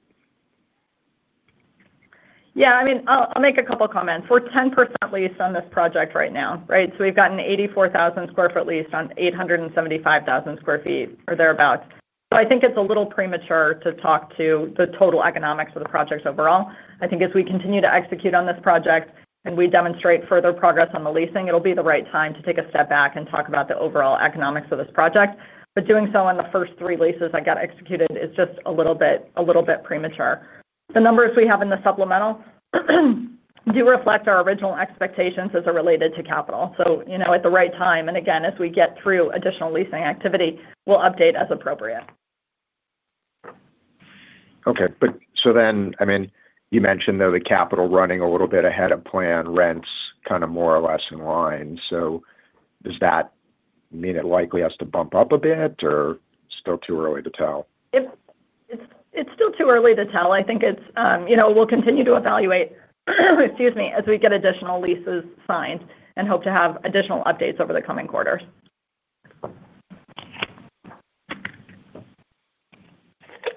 Yeah. I'll make a couple of comments. We're 10% leased on this project right now, right? We've got 84,000 sq ft leased on 875,000 sq ft or thereabouts. I think it's a little premature to talk to the total economics of the project overall. I think as we continue to execute on this project and we demonstrate further progress on the leasing, it'll be the right time to take a step back and talk about the overall economics of this project. Doing so on the first three leases I got executed is just a little bit premature. The numbers we have in the supplemental do reflect our original expectations as it related to capital. At the right time, and again, as we get through additional leasing activity, we'll update as appropriate. Okay, you mentioned the capital running a little bit ahead of plan, rents kind of more or less in line. Does that mean it likely has to bump up a bit, or still too early to tell? It's still too early to tell. I think we'll continue to evaluate as we get additional leases signed and hope to have additional updates over the coming quarters.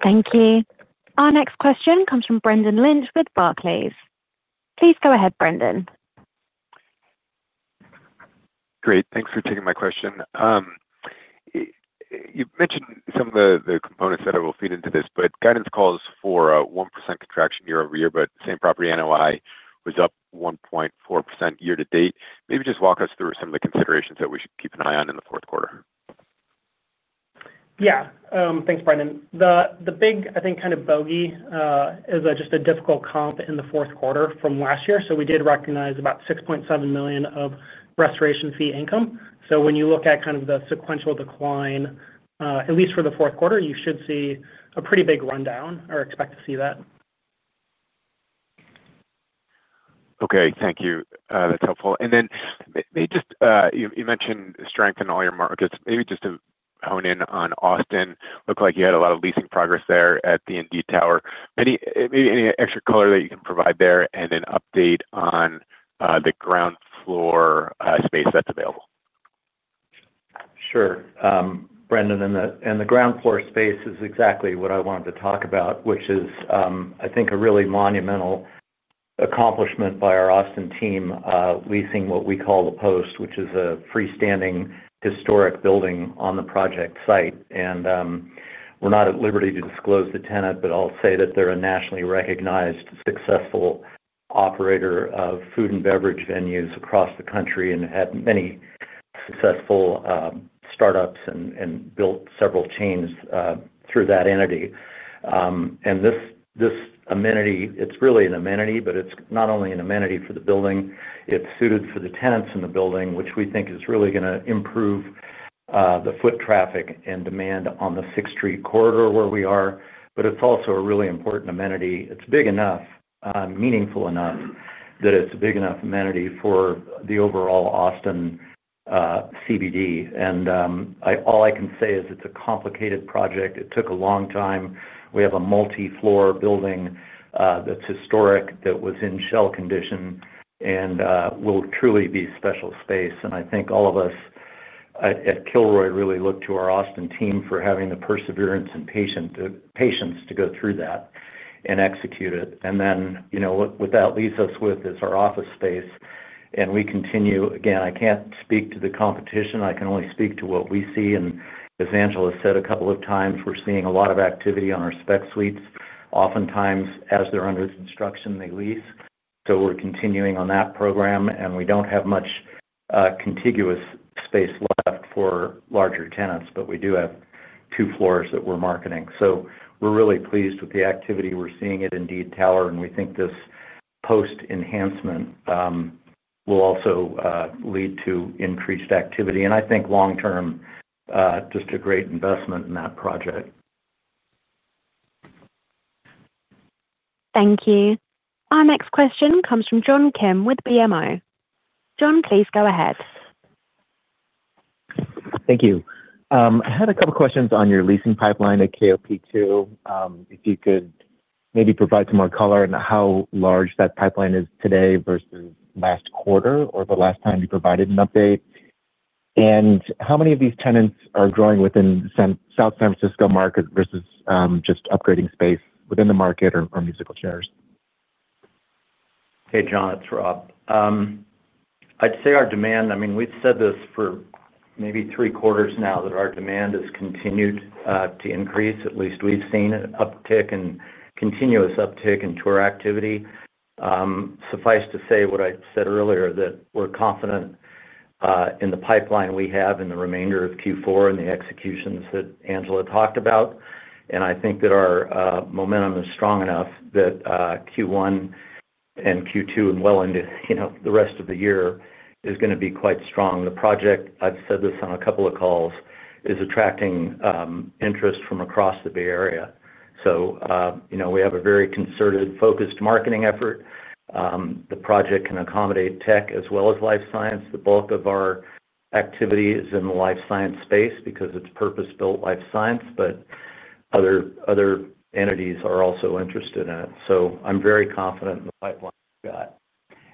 Thank you. Our next question comes from Brendan Lynch with Barclays. Please go ahead, Brendan. Great. Thanks for taking my question. You mentioned some of the components that I will feed into this, but guidance calls for a 1% contraction year-over-year, but same property NOI was up 1.4% year-to-date. Maybe just walk us through some of the considerations that we should keep an eye on in the fourth quarter. Yeah. Thanks, Brendan. The big, I think, kind of bogey is just a difficult comp in the fourth quarter from last year. We did recognize about $6.7 million of restoration fee income. When you look at the sequential decline, at least for the fourth quarter, you should see a pretty big rundown or expect to see that. Okay. Thank you. That's helpful. You mentioned strength in all your markets. Maybe just to hone in on Austin, looked like you had a lot of leasing progress there at the Indeed Tower. Maybe any extra color that you can provide there and an update on the ground floor space that's available. Sure. Brendan, the ground floor space is exactly what I wanted to talk about, which is, I think, a really monumental accomplishment by our Austin team, leasing what we call the POST, which is a freestanding historic building on the project site. We're not at liberty to disclose the tenant, but I'll say that they're a nationally recognized, successful operator of food and beverage venues across the country and had many successful startups and built several chains through that entity. This amenity, it's really an amenity, but it's not only an amenity for the building. It's suited for the tenants in the building, which we think is really going to improve the foot traffic and demand on the 6th Street corridor where we are. It's also a really important amenity. It's big enough, meaningful enough that it's a big enough amenity for the overall Austin CBD. All I can say is it's a complicated project. It took a long time. We have a multi-floor building that's historic that was in shell condition and will truly be special space. I think all of us at Kilroy Realty Corporation really look to our Austin team for having the perseverance and patience to go through that and execute it. What that leaves us with is our office space. We continue, again, I can't speak to the competition. I can only speak to what we see. As Angela said a couple of times, we're seeing a lot of activity on our spec suites. Oftentimes, as they're under construction, they lease. We're continuing on that program. We don't have much contiguous space left for larger tenants, but we do have two floors that we're marketing. We're really pleased with the activity we're seeing at Indeed Tower. We think this POST enhancement will also lead to increased activity. I think long-term, just a great investment in that project. Thank you. Our next question comes from John Kim with BMO. John, please go ahead. Thank you. I had a couple of questions on your leasing pipeline at KOP 2. If you could maybe provide some more color in how large that pipeline is today versus last quarter or the last time you provided an update. How many of these tenants are growing within the South San Francisco market versus just upgrading space within the market or musical chairs? Hey, John. It's Rob. I'd say our demand, I mean, we've said this for maybe three quarters now, that our demand has continued to increase. At least we've seen an uptick and continuous uptick in tour activity. Suffice to say what I said earlier, that we're confident in the pipeline we have in the remainder of Q4 and the executions that Angela talked about. I think that our momentum is strong enough that Q1 and Q2 and well into the rest of the year is going to be quite strong. The project, I've said this on a couple of calls, is attracting interest from across the Bay Area. We have a very concerted, focused marketing effort. The project can accommodate tech as well as life science. The bulk of our activity is in the life science space because it's purpose-built life science, but other entities are also interested in it. I'm very confident in the pipeline we've got.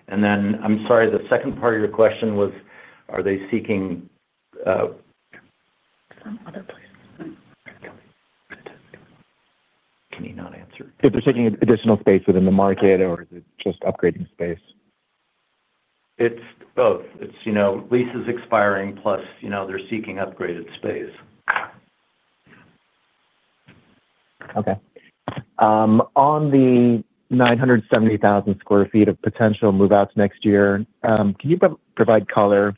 I'm sorry, the second part of your question was, are they seeking? Some other places. Can you not answer? If they're seeking additional space within the market or is it just upgrading space? It's both. It's leases expiring, plus you know they're seeking upgraded space. Okay. On the 970,000 sq ft of potential move-outs next year, can you provide color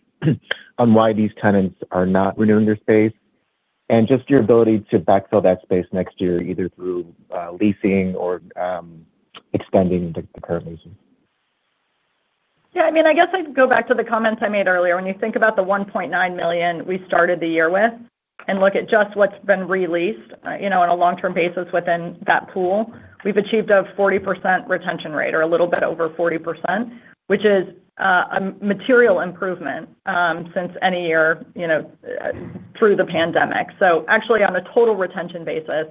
on why these tenants are not renewing their space, and your ability to backfill that space next year, either through leasing or extending the current leases? Yeah, I mean, I guess I'd go back to the comments I made earlier. When you think about the 1.9 million sq ft we started the year with and look at just what's been released on a long-term basis within that pool, we've achieved a 40% retention rate or a little bit over 40%, which is a material improvement since any year through the pandemic. Actually, on a total retention basis,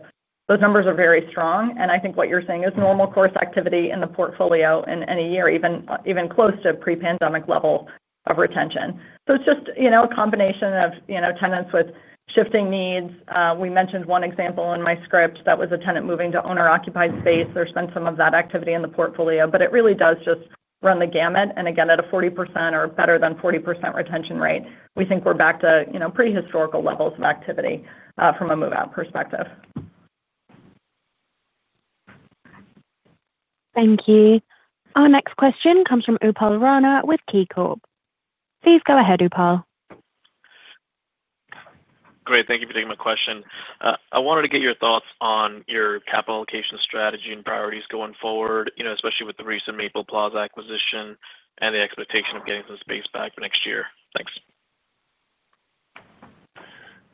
those numbers are very strong. I think what you're seeing is normal course activity in the portfolio in any year, even close to pre-pandemic level of retention. It's just a combination of tenants with shifting needs. We mentioned one example in my script that was a tenant moving to owner-occupied space. There's been some of that activity in the portfolio, but it really does just run the gamut. Again, at a 40% or better than 40% retention rate, we think we're back to pretty historical levels of activity from a move-out perspective. Thank you. Our next question comes from Upal Rana with KeyBanc. Please go ahead, Upal. Great. Thank you for taking my question. I wanted to get your thoughts on your capital allocation strategy and priorities going forward, especially with the recent Maple Plaza acquisition and the expectation of getting some space back next year. Thanks.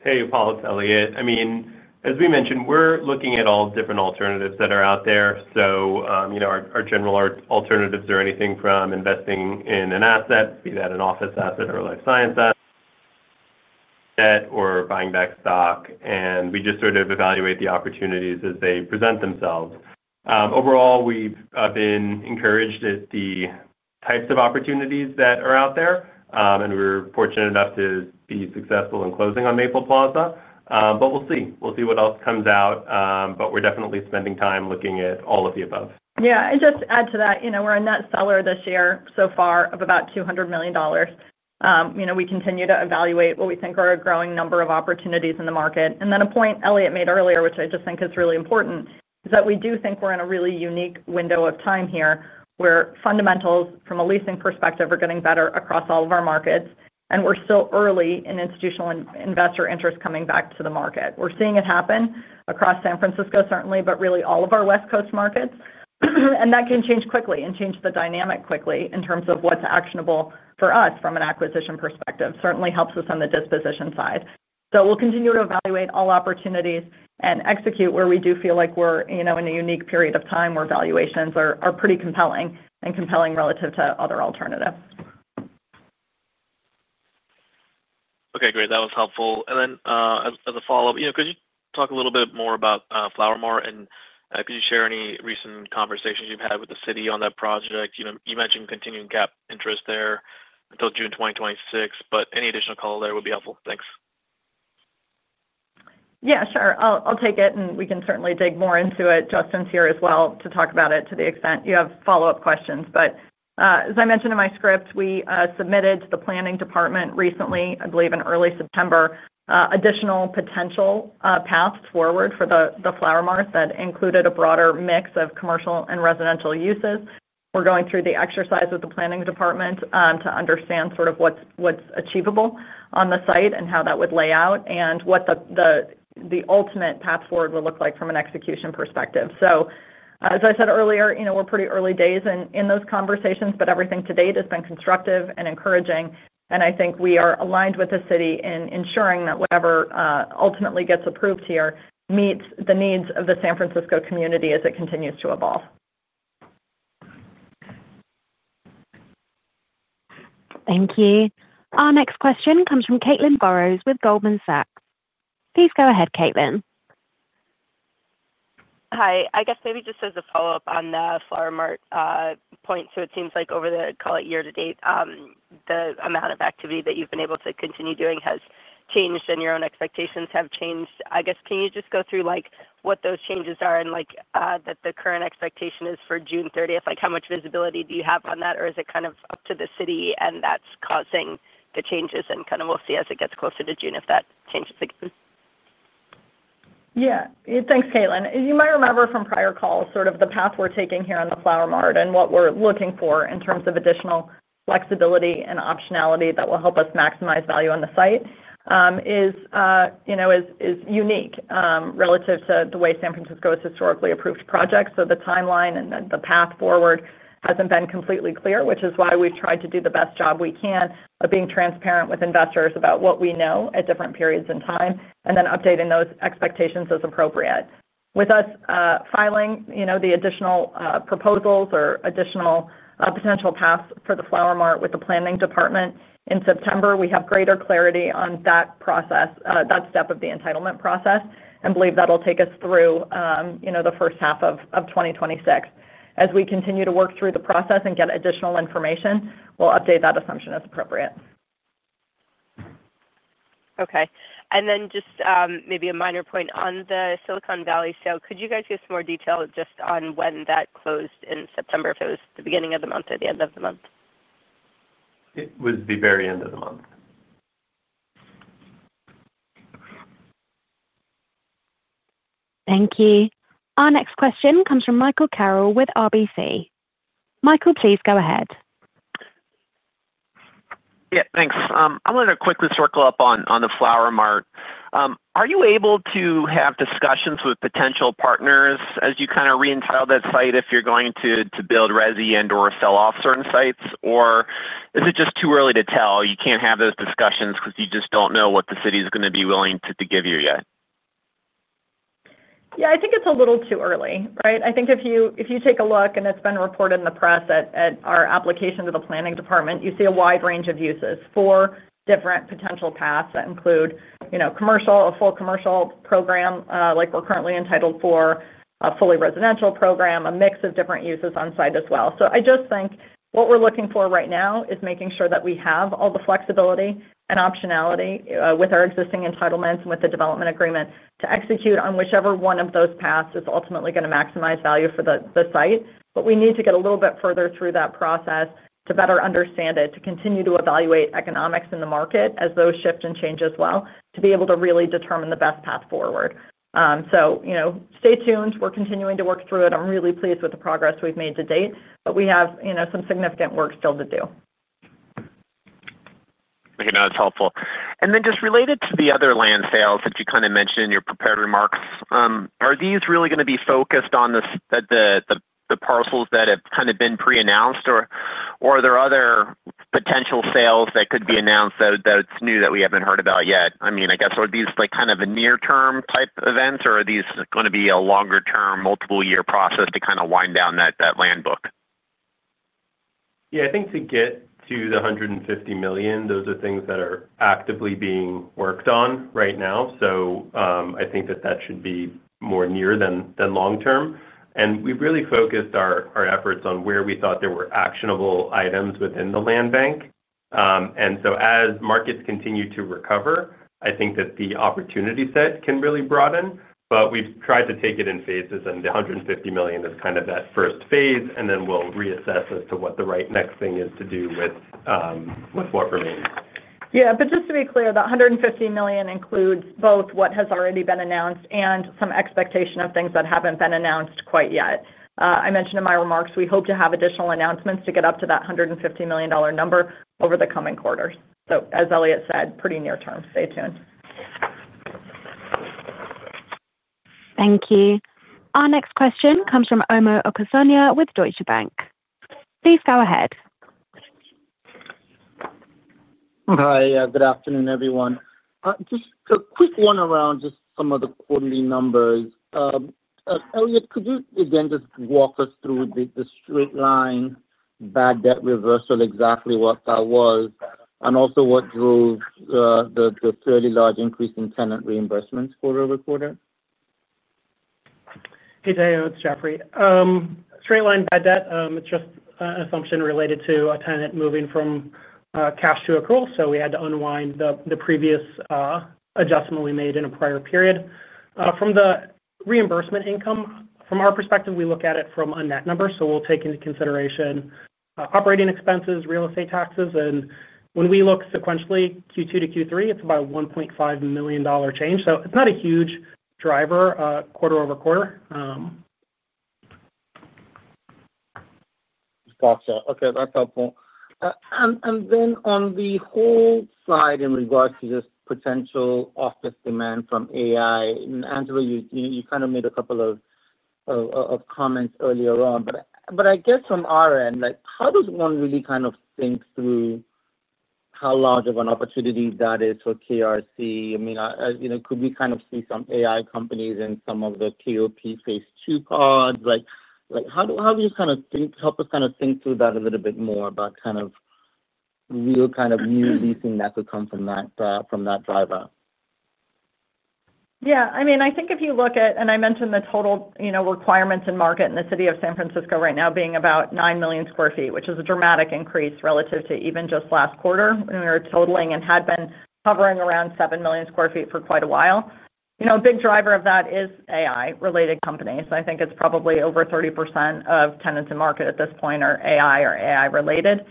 Hey, Upal. It's Eliott. As we mentioned, we're looking at all different alternatives that are out there. You know our general alternatives are anything from investing in an asset, be that an office asset or a life science asset, or buying back stock. We just sort of evaluate the opportunities as they present themselves. Overall, we've been encouraged at the types of opportunities that are out there. We were fortunate enough to be successful in closing on Maple Plaza. We'll see what else comes out. We're definitely spending time looking at all of the above. Yeah. Just to add to that, you know we're a net seller this year so far of about $200 million. You know we continue to evaluate what we think are a growing number of opportunities in the market. A point Eliott made earlier, which I just think is really important, is that we do think we're in a really unique window of time here where fundamentals from a leasing perspective are getting better across all of our markets. We're still early in institutional investor interest coming back to the market. We're seeing it happen across San Francisco, certainly, but really all of our West Coast markets. That can change quickly and change the dynamic quickly in terms of what's actionable for us from an acquisition perspective. It certainly helps us on the disposition side. We'll continue to evaluate all opportunities and execute where we do feel like we're in a unique period of time where valuations are pretty compelling and compelling relative to other alternatives. Okay. Great. That was helpful. As a follow-up, could you talk a little bit more about Flower Mart? Could you share any recent conversations you've had with the city on that project? You mentioned continuing to cap interest there until June 2026. Any additional color there would be helpful. Thanks. Yeah. Sure. I'll take it, and we can certainly dig more into it. Justin's here as well to talk about it to the extent you have follow-up questions. As I mentioned in my script, we submitted to the planning department recently, I believe in early September, additional potential paths forward for the Flower Mart that included a broader mix of commercial and residential uses. We're going through the exercise with the planning department to understand what's achievable on the site and how that would lay out and what the ultimate path forward will look like from an execution perspective. As I said earlier, we're pretty early days in those conversations, but everything to date has been constructive and encouraging. I think we are aligned with the city in ensuring that whatever ultimately gets approved here meets the needs of the San Francisco community as it continues to evolve. Thank you. Our next question comes from Caitlin Burrows with Goldman Sachs. Please go ahead, Caitlin. Hi. I guess maybe just as a follow-up on the Flower Mart point, it seems like over the, call it, year-to-date, the amount of activity that you've been able to continue doing has changed and your own expectations have changed. Can you just go through what those changes are and what the current expectation is for June 30th? How much visibility do you have on that, or is it kind of up to the city and that's causing the changes? We'll see as it gets closer to June if that changes again. Yeah. Thanks, Caitlin. As you might remember from prior calls, the path we're taking here on the Flower Mart and what we're looking for in terms of additional flexibility and optionality that will help us maximize value on the site is unique relative to the way San Francisco has historically approved projects. The timeline and the path forward hasn't been completely clear, which is why we've tried to do the best job we can of being transparent with investors about what we know at different periods in time and then updating those expectations as appropriate. With us filing the additional proposals or additional potential paths for the Flower Mart with the planning department in September, we have greater clarity on that process, that step of the entitlement process, and believe that'll take us through the first half of 2026. As we continue to work through the process and get additional information, we'll update that assumption as appropriate. Okay. Maybe a minor point on the Silicon Valley sale. Could you guys give us more detail just on when that closed in September, if it was the beginning of the month or the end of the month? It was the very end of the month. Thank you. Our next question comes from Michael Carroll with RBC. Michael, please go ahead. Yeah. Thanks. I wanted to quickly circle up on the Flower Mart. Are you able to have discussions with potential partners as you kind of re-entitle that site if you're going to build, resi, and/or sell off certain sites? Or is it just too early to tell? You can't have those discussions because you just don't know what the city is going to be willing to give you yet? Yeah. I think it's a little too early, right? I think if you take a look and it's been reported in the press at our application to the planning department, you see a wide range of uses for different potential paths that include a full commercial program like we're currently entitled for, a fully residential program, a mix of different uses on site as well. I just think what we're looking for right now is making sure that we have all the flexibility and optionality with our existing entitlements and with the development agreement to execute on whichever one of those paths is ultimately going to maximize value for the site. We need to get a little bit further through that process to better understand it, to continue to evaluate economics in the market as those shift and change as well, to be able to really determine the best path forward. You know, stay tuned. We're continuing to work through it. I'm really pleased with the progress we've made to date, but we have some significant work still to do. Okay. That's helpful. Just related to the other land sales that you mentioned in your prepared remarks, are these really going to be focused on the parcels that have been pre-announced, or are there other potential sales that could be announced that are new that we haven't heard about yet? I mean, are these a near-term type of event, or are these going to be a longer-term, multiple-year process to wind down that land book? Yeah. I think to get to the $150 million, those are things that are actively being worked on right now. I think that that should be more near than long-term. We've really focused our efforts on where we thought there were actionable items within the land bank. As markets continue to recover, I think that the opportunity set can really broaden. We've tried to take it in phases, and the $150 million is kind of that first phase. We'll reassess as to what the right next thing is to do with what remains. To be clear, the $150 million includes both what has already been announced and some expectation of things that haven't been announced quite yet. I mentioned in my remarks, we hope to have additional announcements to get up to that $150 million number over the coming quarters. As Eliott said, pretty near-term. Stay tuned. Thank you. Our next question comes from Omo Okusanya with Deutsche Bank. Please go ahead. Hi. Good afternoon, everyone. Just a quick one around just some of the quarterly numbers. Eliott, could you again just walk us through the straight line bad debt reversal, exactly what that was, and also what drove the fairly large increase in tenant reimbursements for a quarter? Hey, there. It's Jeffrey. Straight line bad debt, it's just an assumption related to a tenant moving from cash to accrual. We had to unwind the previous adjustment we made in a prior period. From the reimbursement income, from our perspective, we look at it from a net number. We'll take into consideration operating expenses, real estate taxes. When we look sequentially Q2 to Q3, it's about a $1.5 million change. It's not a huge driver quarter-over-quarter. Gotcha. Okay. That's helpful. On the whole side in regards to just potential office demand from AI, and Angela, you kind of made a couple of comments earlier on. I guess from our end, how does one really kind of think through how large of an opportunity that is for KRC? I mean, you know, could we kind of see some AI companies in some of the KOP 2 cards? How do you kind of think, help us kind of think through that a little bit more about kind of real kind of new leasing that could come from that driver? Yeah. I mean, I think if you look at, and I mentioned the total requirements in market in the city of San Francisco right now being about 9 million sq ft, which is a dramatic increase relative to even just last quarter when we were totaling and had been hovering around 7 million sq ft for quite a while. A big driver of that is AI-related companies. I think it's probably over 30% of tenants in market at this point are AI or AI-related.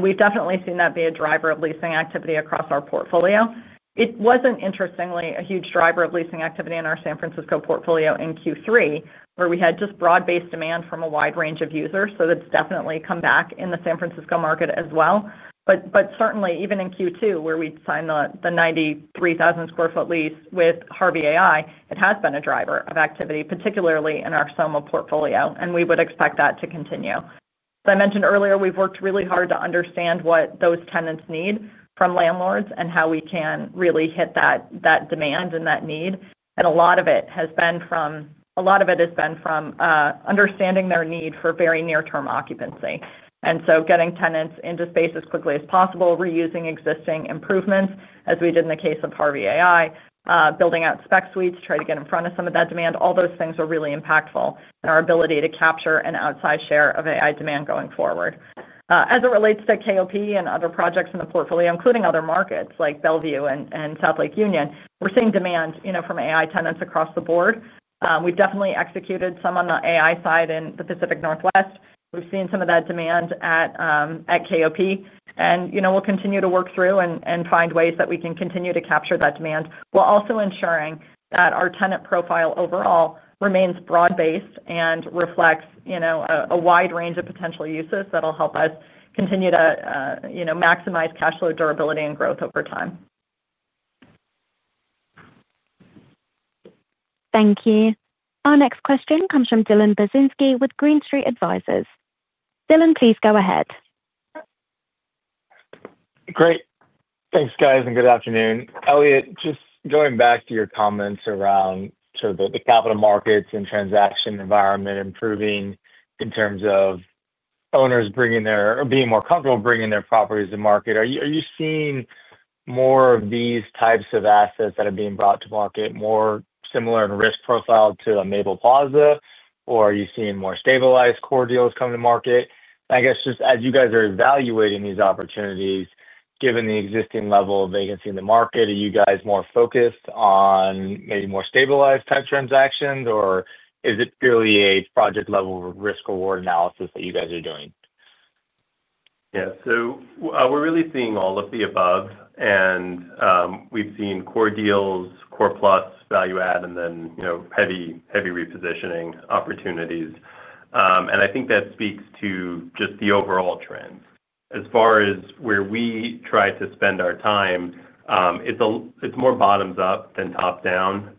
We've definitely seen that be a driver of leasing activity across our portfolio. It wasn't, interestingly, a huge driver of leasing activity in our San Francisco portfolio in Q3, where we had just broad-based demand from a wide range of users. That's definitely come back in the San Francisco market as well. Certainly, even in Q2, where we signed the 93,000 sq ft lease with Harvey AI, it has been a driver of activity, particularly in our SoMa portfolio. We would expect that to continue. As I mentioned earlier, we've worked really hard to understand what those tenants need from landlords and how we can really hit that demand and that need. A lot of it has been from understanding their need for very near-term occupancy. Getting tenants into space as quickly as possible, reusing existing improvements, as we did in the case of Harvey AI, building out spec suites, trying to get in front of some of that demand, all those things were really impactful in our ability to capture an outside share of AI demand going forward. As it relates to KOP and other projects in the portfolio, including other markets like Bellevue and South Lake Union, we're seeing demand from AI tenants across the board. We've definitely executed some on the AI side in the Pacific Northwest. We've seen some of that demand at KOP. We'll continue to work through and find ways that we can continue to capture that demand while also ensuring that our tenant profile overall remains broad-based and reflects a wide range of potential uses that will help us continue to maximize cash flow durability and growth over time. Thank you. Our next question comes from Dylan Burzinski with Green Street Advisors. Dylan, please go ahead. Great. Thanks, guys, and good afternoon. Eliott, just going back to your comments around the capital markets and transaction environment improving in terms of owners bringing their or being more comfortable bringing their properties to market, are you seeing more of these types of assets that are being brought to market more similar in risk profile to a Maple Plaza, or are you seeing more stabilized core deals come to market? As you guys are evaluating these opportunities, given the existing level of vacancy in the market, are you guys more focused on maybe more stabilized type transactions, or is it purely a project-level risk reward analysis that you guys are doing? Yeah. We're really seeing all of the above. We've seen core deals, core plus, value add, and then heavy repositioning opportunities. I think that speaks to just the overall trends. As far as where we try to spend our time, it's more bottoms up than top down.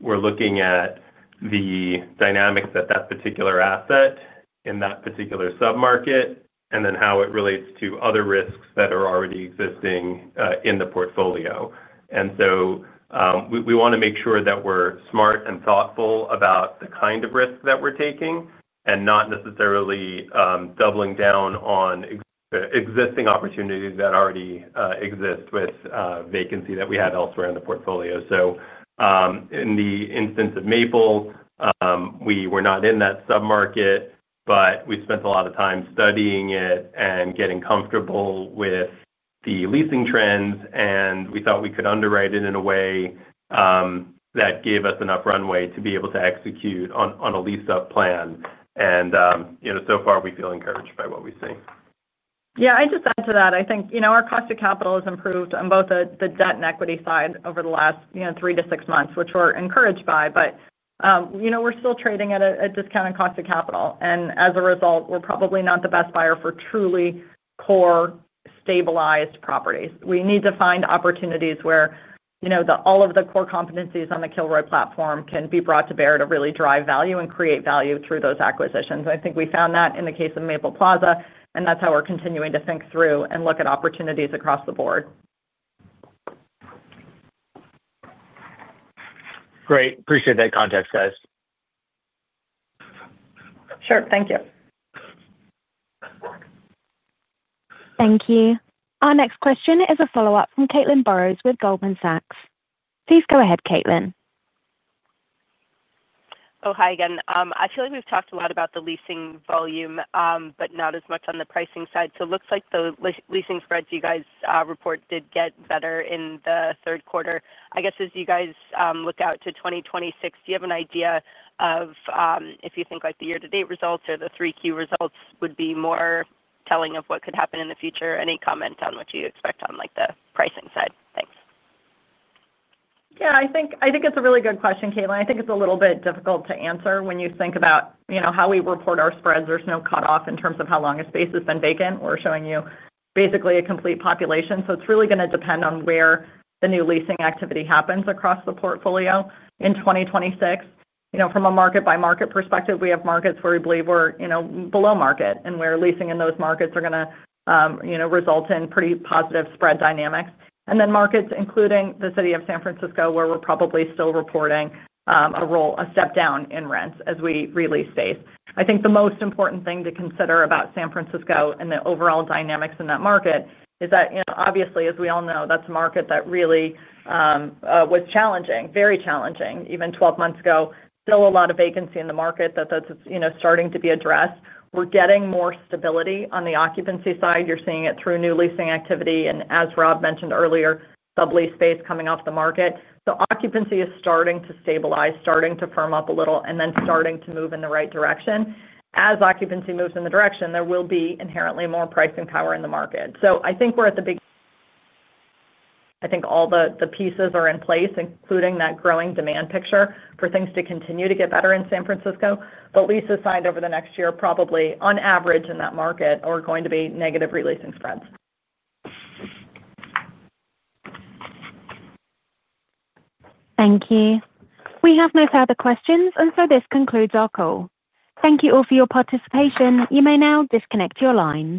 We're looking at the dynamics at that particular asset in that particular submarket and then how it relates to other risks that are already existing in the portfolio. We want to make sure that we're smart and thoughtful about the kind of risk that we're taking and not necessarily doubling down on existing opportunities that already exist with vacancy that we have elsewhere in the portfolio. In the instance of Maple Plaza, we were not in that submarket, but we spent a lot of time studying it and getting comfortable with the leasing trends. We thought we could underwrite it in a way that gave us enough runway to be able to execute on a lease-up plan. So far, we feel encouraged by what we see. Yeah, I'd just add to that. I think our cost of capital has improved on both the debt and equity side over the last three to six months, which we're encouraged by. We're still trading at a discounted cost of capital, and as a result, we're probably not the best buyer for truly core, stabilized properties. We need to find opportunities where all of the core competencies on the Kilroy platform can be brought to bear to really drive value and create value through those acquisitions. I think we found that in the case of Maple Plaza. That's how we're continuing to think through and look at opportunities across the board. Great. Appreciate that context, guys. Sure. Thank you. Thank you. Our next question is a follow-up from Caitlin Burrows with Goldman Sachs. Please go ahead, Caitlin. Hi again. I feel like we've talked a lot about the leasing volume, but not as much on the pricing side. It looks like the leasing spreads you guys report did get better in the third quarter. As you guys look out to 2026, do you have an idea of if you think the year-to-date results or the third quarter results would be more telling of what could happen in the future? Any comment on what you expect on the pricing side? Thanks. Yeah. I think it's a really good question, Caitlin. I think it's a little bit difficult to answer when you think about how we report our spreads. There's no cutoff in terms of how long a space has been vacant. We're showing you basically a complete population. It's really going to depend on where the new leasing activity happens across the portfolio in 2026. You know, from a market-by-market perspective, we have markets where we believe we're below market and where leasing in those markets is going to result in pretty positive spread dynamics. Then there are markets, including the city of San Francisco, where we're probably still reporting a step down in rents as we release space. I think the most important thing to consider about San Francisco and the overall dynamics in that market is that, obviously, as we all know, that's a market that really was challenging, very challenging even 12 months ago. There's still a lot of vacancy in the market that's starting to be addressed. We're getting more stability on the occupancy side. You're seeing it through new leasing activity and, as Rob mentioned earlier, sublease space coming off the market. Occupancy is starting to stabilize, starting to firm up a little, and starting to move in the right direction. As occupancy moves in the direction, there will be inherently more pricing power in the market. I think we're at the beginning. I think all the pieces are in place, including that growing demand picture for things to continue to get better in San Francisco. Leases signed over the next year probably, on average, in that market are going to be negative releasing spreads. Thank you. We have no further questions, and this concludes our call. Thank you all for your participation. You may now disconnect your lines.